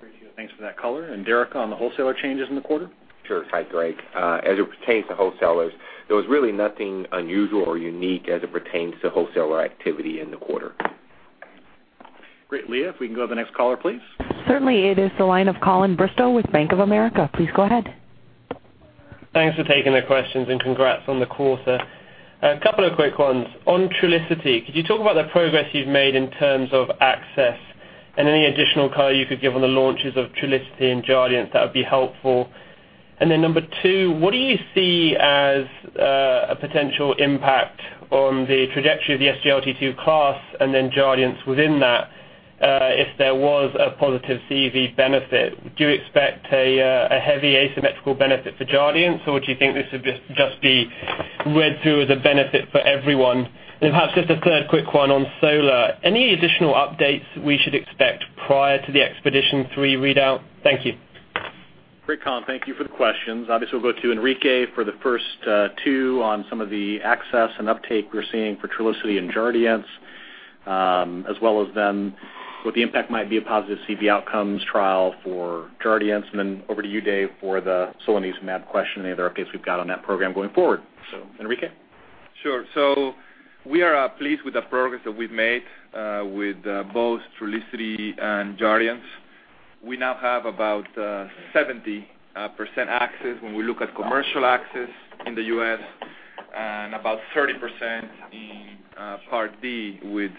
Great. Thanks for that color. Derica, on the wholesaler changes in the quarter? Sure. Hi, Gregg. As it pertains to wholesalers, there was really nothing unusual or unique as it pertains to wholesaler activity in the quarter. Great. Leah, if we can go to the next caller, please. Certainly. It is the line of Colin Bristow with Bank of America. Please go ahead. Thanks for taking the questions, and congrats on the quarter. A couple of quick ones. On Trulicity, could you talk about the progress you've made in terms of access and any additional color you could give on the launches of Trulicity and Jardiance? That would be helpful. Number 2, what do you see as a potential impact on the trajectory of the SGLT2 class and then Jardiance within that, if there was a positive CV benefit? Do you expect a heavy asymmetrical benefit for Jardiance, or do you think this would just be read through as a benefit for everyone? Perhaps just a third quick one on solanezumab. Any additional updates we should expect prior to the EXPEDITION-3 readout? Thank you. Great, Colin. Thank you for the questions. Obviously, we'll go to Enrique for the first 2 on some of the access and uptake we're seeing for Trulicity and Jardiance, as well as then what the impact might be, a positive CV outcomes trial for Jardiance. Over to you, Dave, for the solanezumab question, any other updates we've got on that program going forward. Enrique? Sure. We are pleased with the progress that we've made with both Trulicity and Jardiance. We now have about 70% access when we look at commercial access in the U.S. and about 30% in Part D with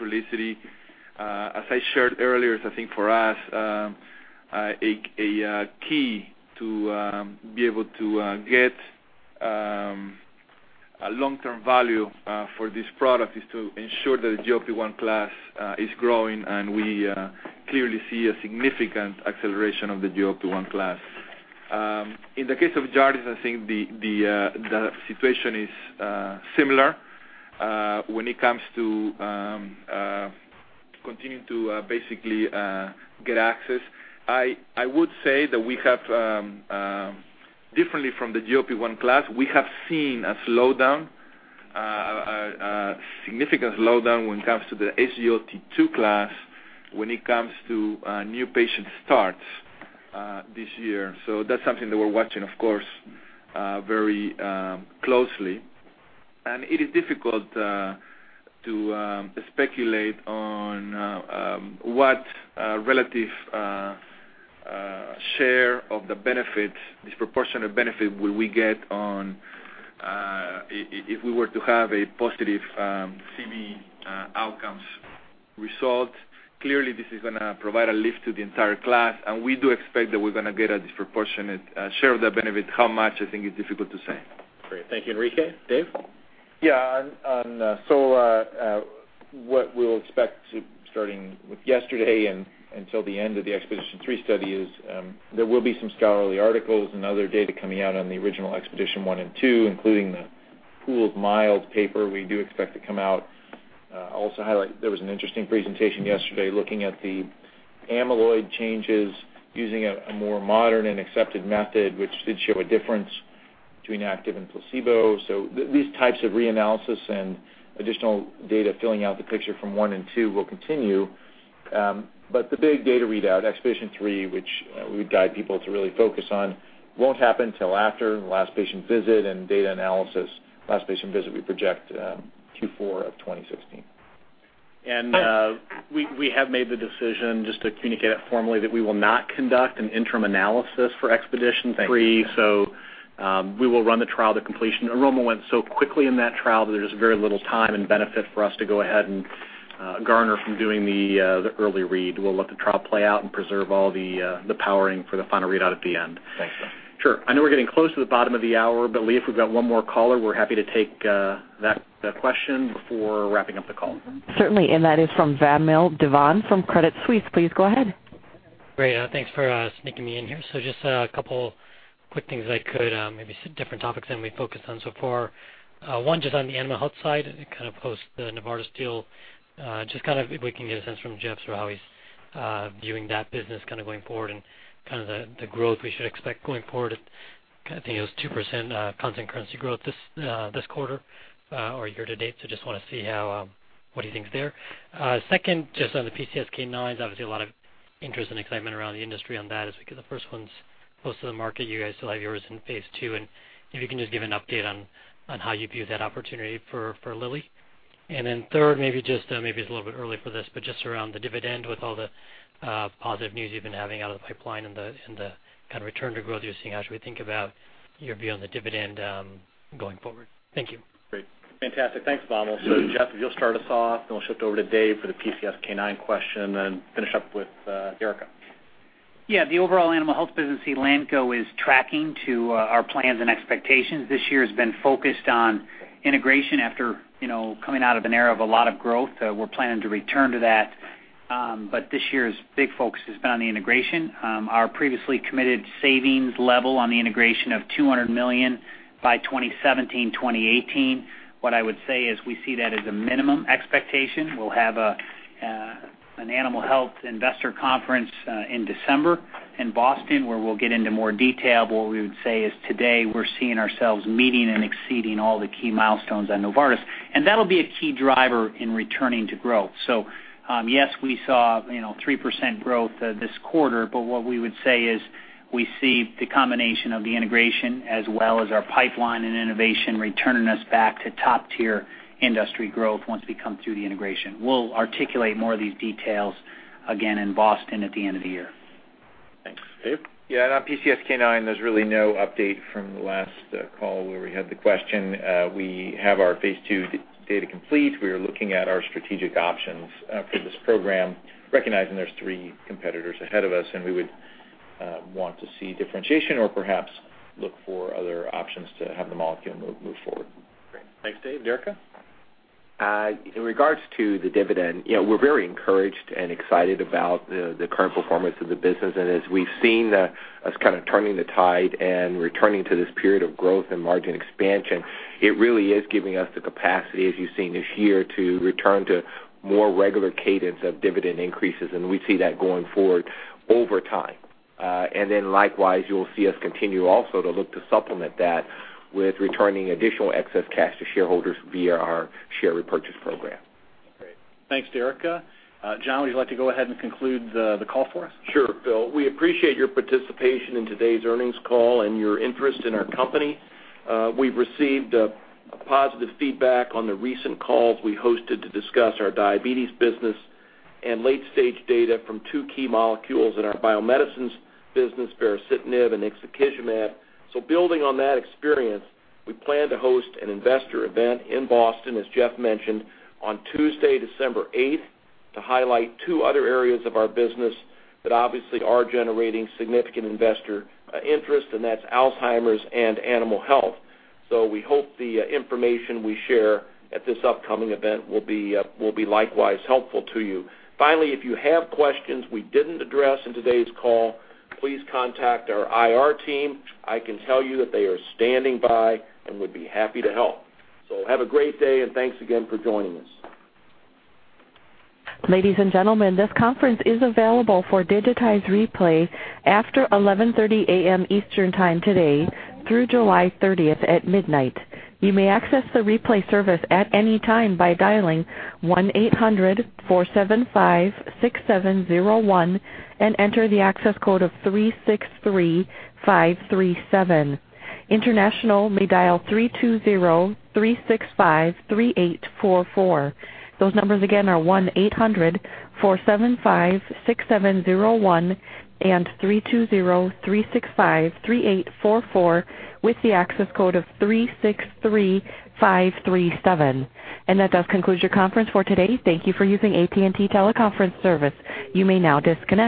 Trulicity. As I shared earlier, I think for us, a key to be able to get a long-term value for this product is to ensure that the GLP-1 class is growing, and we clearly see a significant acceleration of the GLP-1 class. In the case of Jardiance, I think the situation is similar when it comes to continuing to basically get access. I would say that differently from the GLP-1 class, we have seen a significant slowdown when it comes to the SGLT2 class when it comes to new patient starts this year. That's something that we're watching, of course, very closely. It is difficult to speculate on what relative share of the disproportionate benefit will we get if we were to have a positive CV outcomes result. Clearly, this is going to provide a lift to the entire class, and we do expect that we're going to get a disproportionate share of the benefit. How much, I think, is difficult to say. Great. Thank you, Enrique. Dave? On solanezumab, what we'll expect starting with yesterday and until the end of the EXPEDITION-3 study is there will be some scholarly articles and other data coming out on the original EXPEDITION and EXPEDITION2, including the pooled-mild paper we do expect to come out. I'll also highlight there was an interesting presentation yesterday looking at the amyloid changes using a more modern and accepted method, which did show a difference between active and placebo. These types of reanalysis and additional data filling out the picture from one and two will continue. The big data readout, EXPEDITION-3, which we guide people to really focus on, won't happen till after the last patient visit and data analysis. Last patient visit, we project Q4 2016. We have made the decision just to communicate it formally that we will not conduct an interim analysis for EXPEDITION-3. Thank you. We will run the trial to completion. Enrollment went so quickly in that trial that there's very little time and benefit for us to go ahead and garner from doing the early read. We'll let the trial play out and preserve all the powering for the final readout at the end. Thanks. Sure. I know we're getting close to the bottom of the hour, Leah, if we've got one more caller, we're happy to take that question before wrapping up the call. Certainly. That is from Vamil Divan from Credit Suisse. Please go ahead. Great. Thanks for sneaking me in here. Just a two quick things I could, maybe some different topics than we focused on so far. One, just on the animal health side, kind of post the Novartis deal, just if we can get a sense from Jeff how he's viewing that business going forward and the growth we should expect going forward. I think it was 2% constant currency growth this quarter or year to date. Just want to see what he thinks there. Second, just on the PCSK9s, obviously a lot of interest and excitement around the industry on that as we get the first ones close to the market. You guys still have yours in phase II, and if you can just give an update on how you view that opportunity for Lilly. Third, maybe it's a little bit early for this, but just around the dividend with all the positive news you've been having out of the pipeline and the kind of return to growth you're seeing, how should we think about your view on the dividend going forward? Thank you. Great. Fantastic. Thanks, Vamil. Jeff, you'll start us off, then we'll shift over to Dave for the PCSK9 question, and finish up with Derica. Yeah. The overall animal health business, Elanco, is tracking to our plans and expectations. This year has been focused on integration after coming out of an era of a lot of growth. We're planning to return to that, but this year's big focus has been on the integration. Our previously committed savings level on the integration of $200 million by 2017, 2018. What I would say is we see that as a minimum expectation. An animal health investor conference in December in Boston, where we'll get into more detail. What we would say is today, we're seeing ourselves meeting and exceeding all the key milestones at Novartis, and that'll be a key driver in returning to growth. Yes, we saw 3% growth this quarter, what we would say is we see the combination of the integration as well as our pipeline and innovation returning us back to top-tier industry growth once we come through the integration. We'll articulate more of these details again in Boston at the end of the year. Thanks. Dave? On PCSK9, there's really no update from the last call where we had the question. We have our phase II data complete. We are looking at our strategic options for this program, recognizing there's three competitors ahead of us, we would want to see differentiation or perhaps look for other options to have the molecule move forward. Great. Thanks, Dave. Derica? In regards to the dividend, we're very encouraged and excited about the current performance of the business. As we've seen us kind of turning the tide and returning to this period of growth and margin expansion, it really is giving us the capacity, as you've seen this year, to return to more regular cadence of dividend increases. We see that going forward over time. Likewise, you'll see us continue also to look to supplement that with returning additional excess cash to shareholders via our share repurchase program. Great. Thanks, Derica. John, would you like to go ahead and conclude the call for us? Sure. Phil. We appreciate your participation in today's earnings call and your interest in our company. We've received positive feedback on the recent calls we hosted to discuss our Lilly Diabetes business and late-stage data from two key molecules in our Lilly Bio-Medicines business, baricitinib and ixekizumab. Building on that experience, we plan to host an investor event in Boston, as Jeff mentioned, on Tuesday, December 8th, to highlight two other areas of our business that obviously are generating significant investor interest, and that's Alzheimer's and Elanco Animal Health. We hope the information we share at this upcoming event will be likewise helpful to you. Finally, if you have questions we didn't address in today's call, please contact our IR team. I can tell you that they are standing by and would be happy to help. Have a great day, and thanks again for joining us. Ladies and gentlemen, this conference is available for digitized replay after 11:30 A.M. Eastern Time today through July 30th at midnight. You may access the replay service at any time by dialing 1-800-475-6701 and enter the access code of 363537. International may dial 320-365-3844. Those numbers again are 1-800-475-6701 and 320-365-3844 with the access code of 363537. That does conclude your conference for today. Thank you for using AT&T Teleconference Service. You may now disconnect.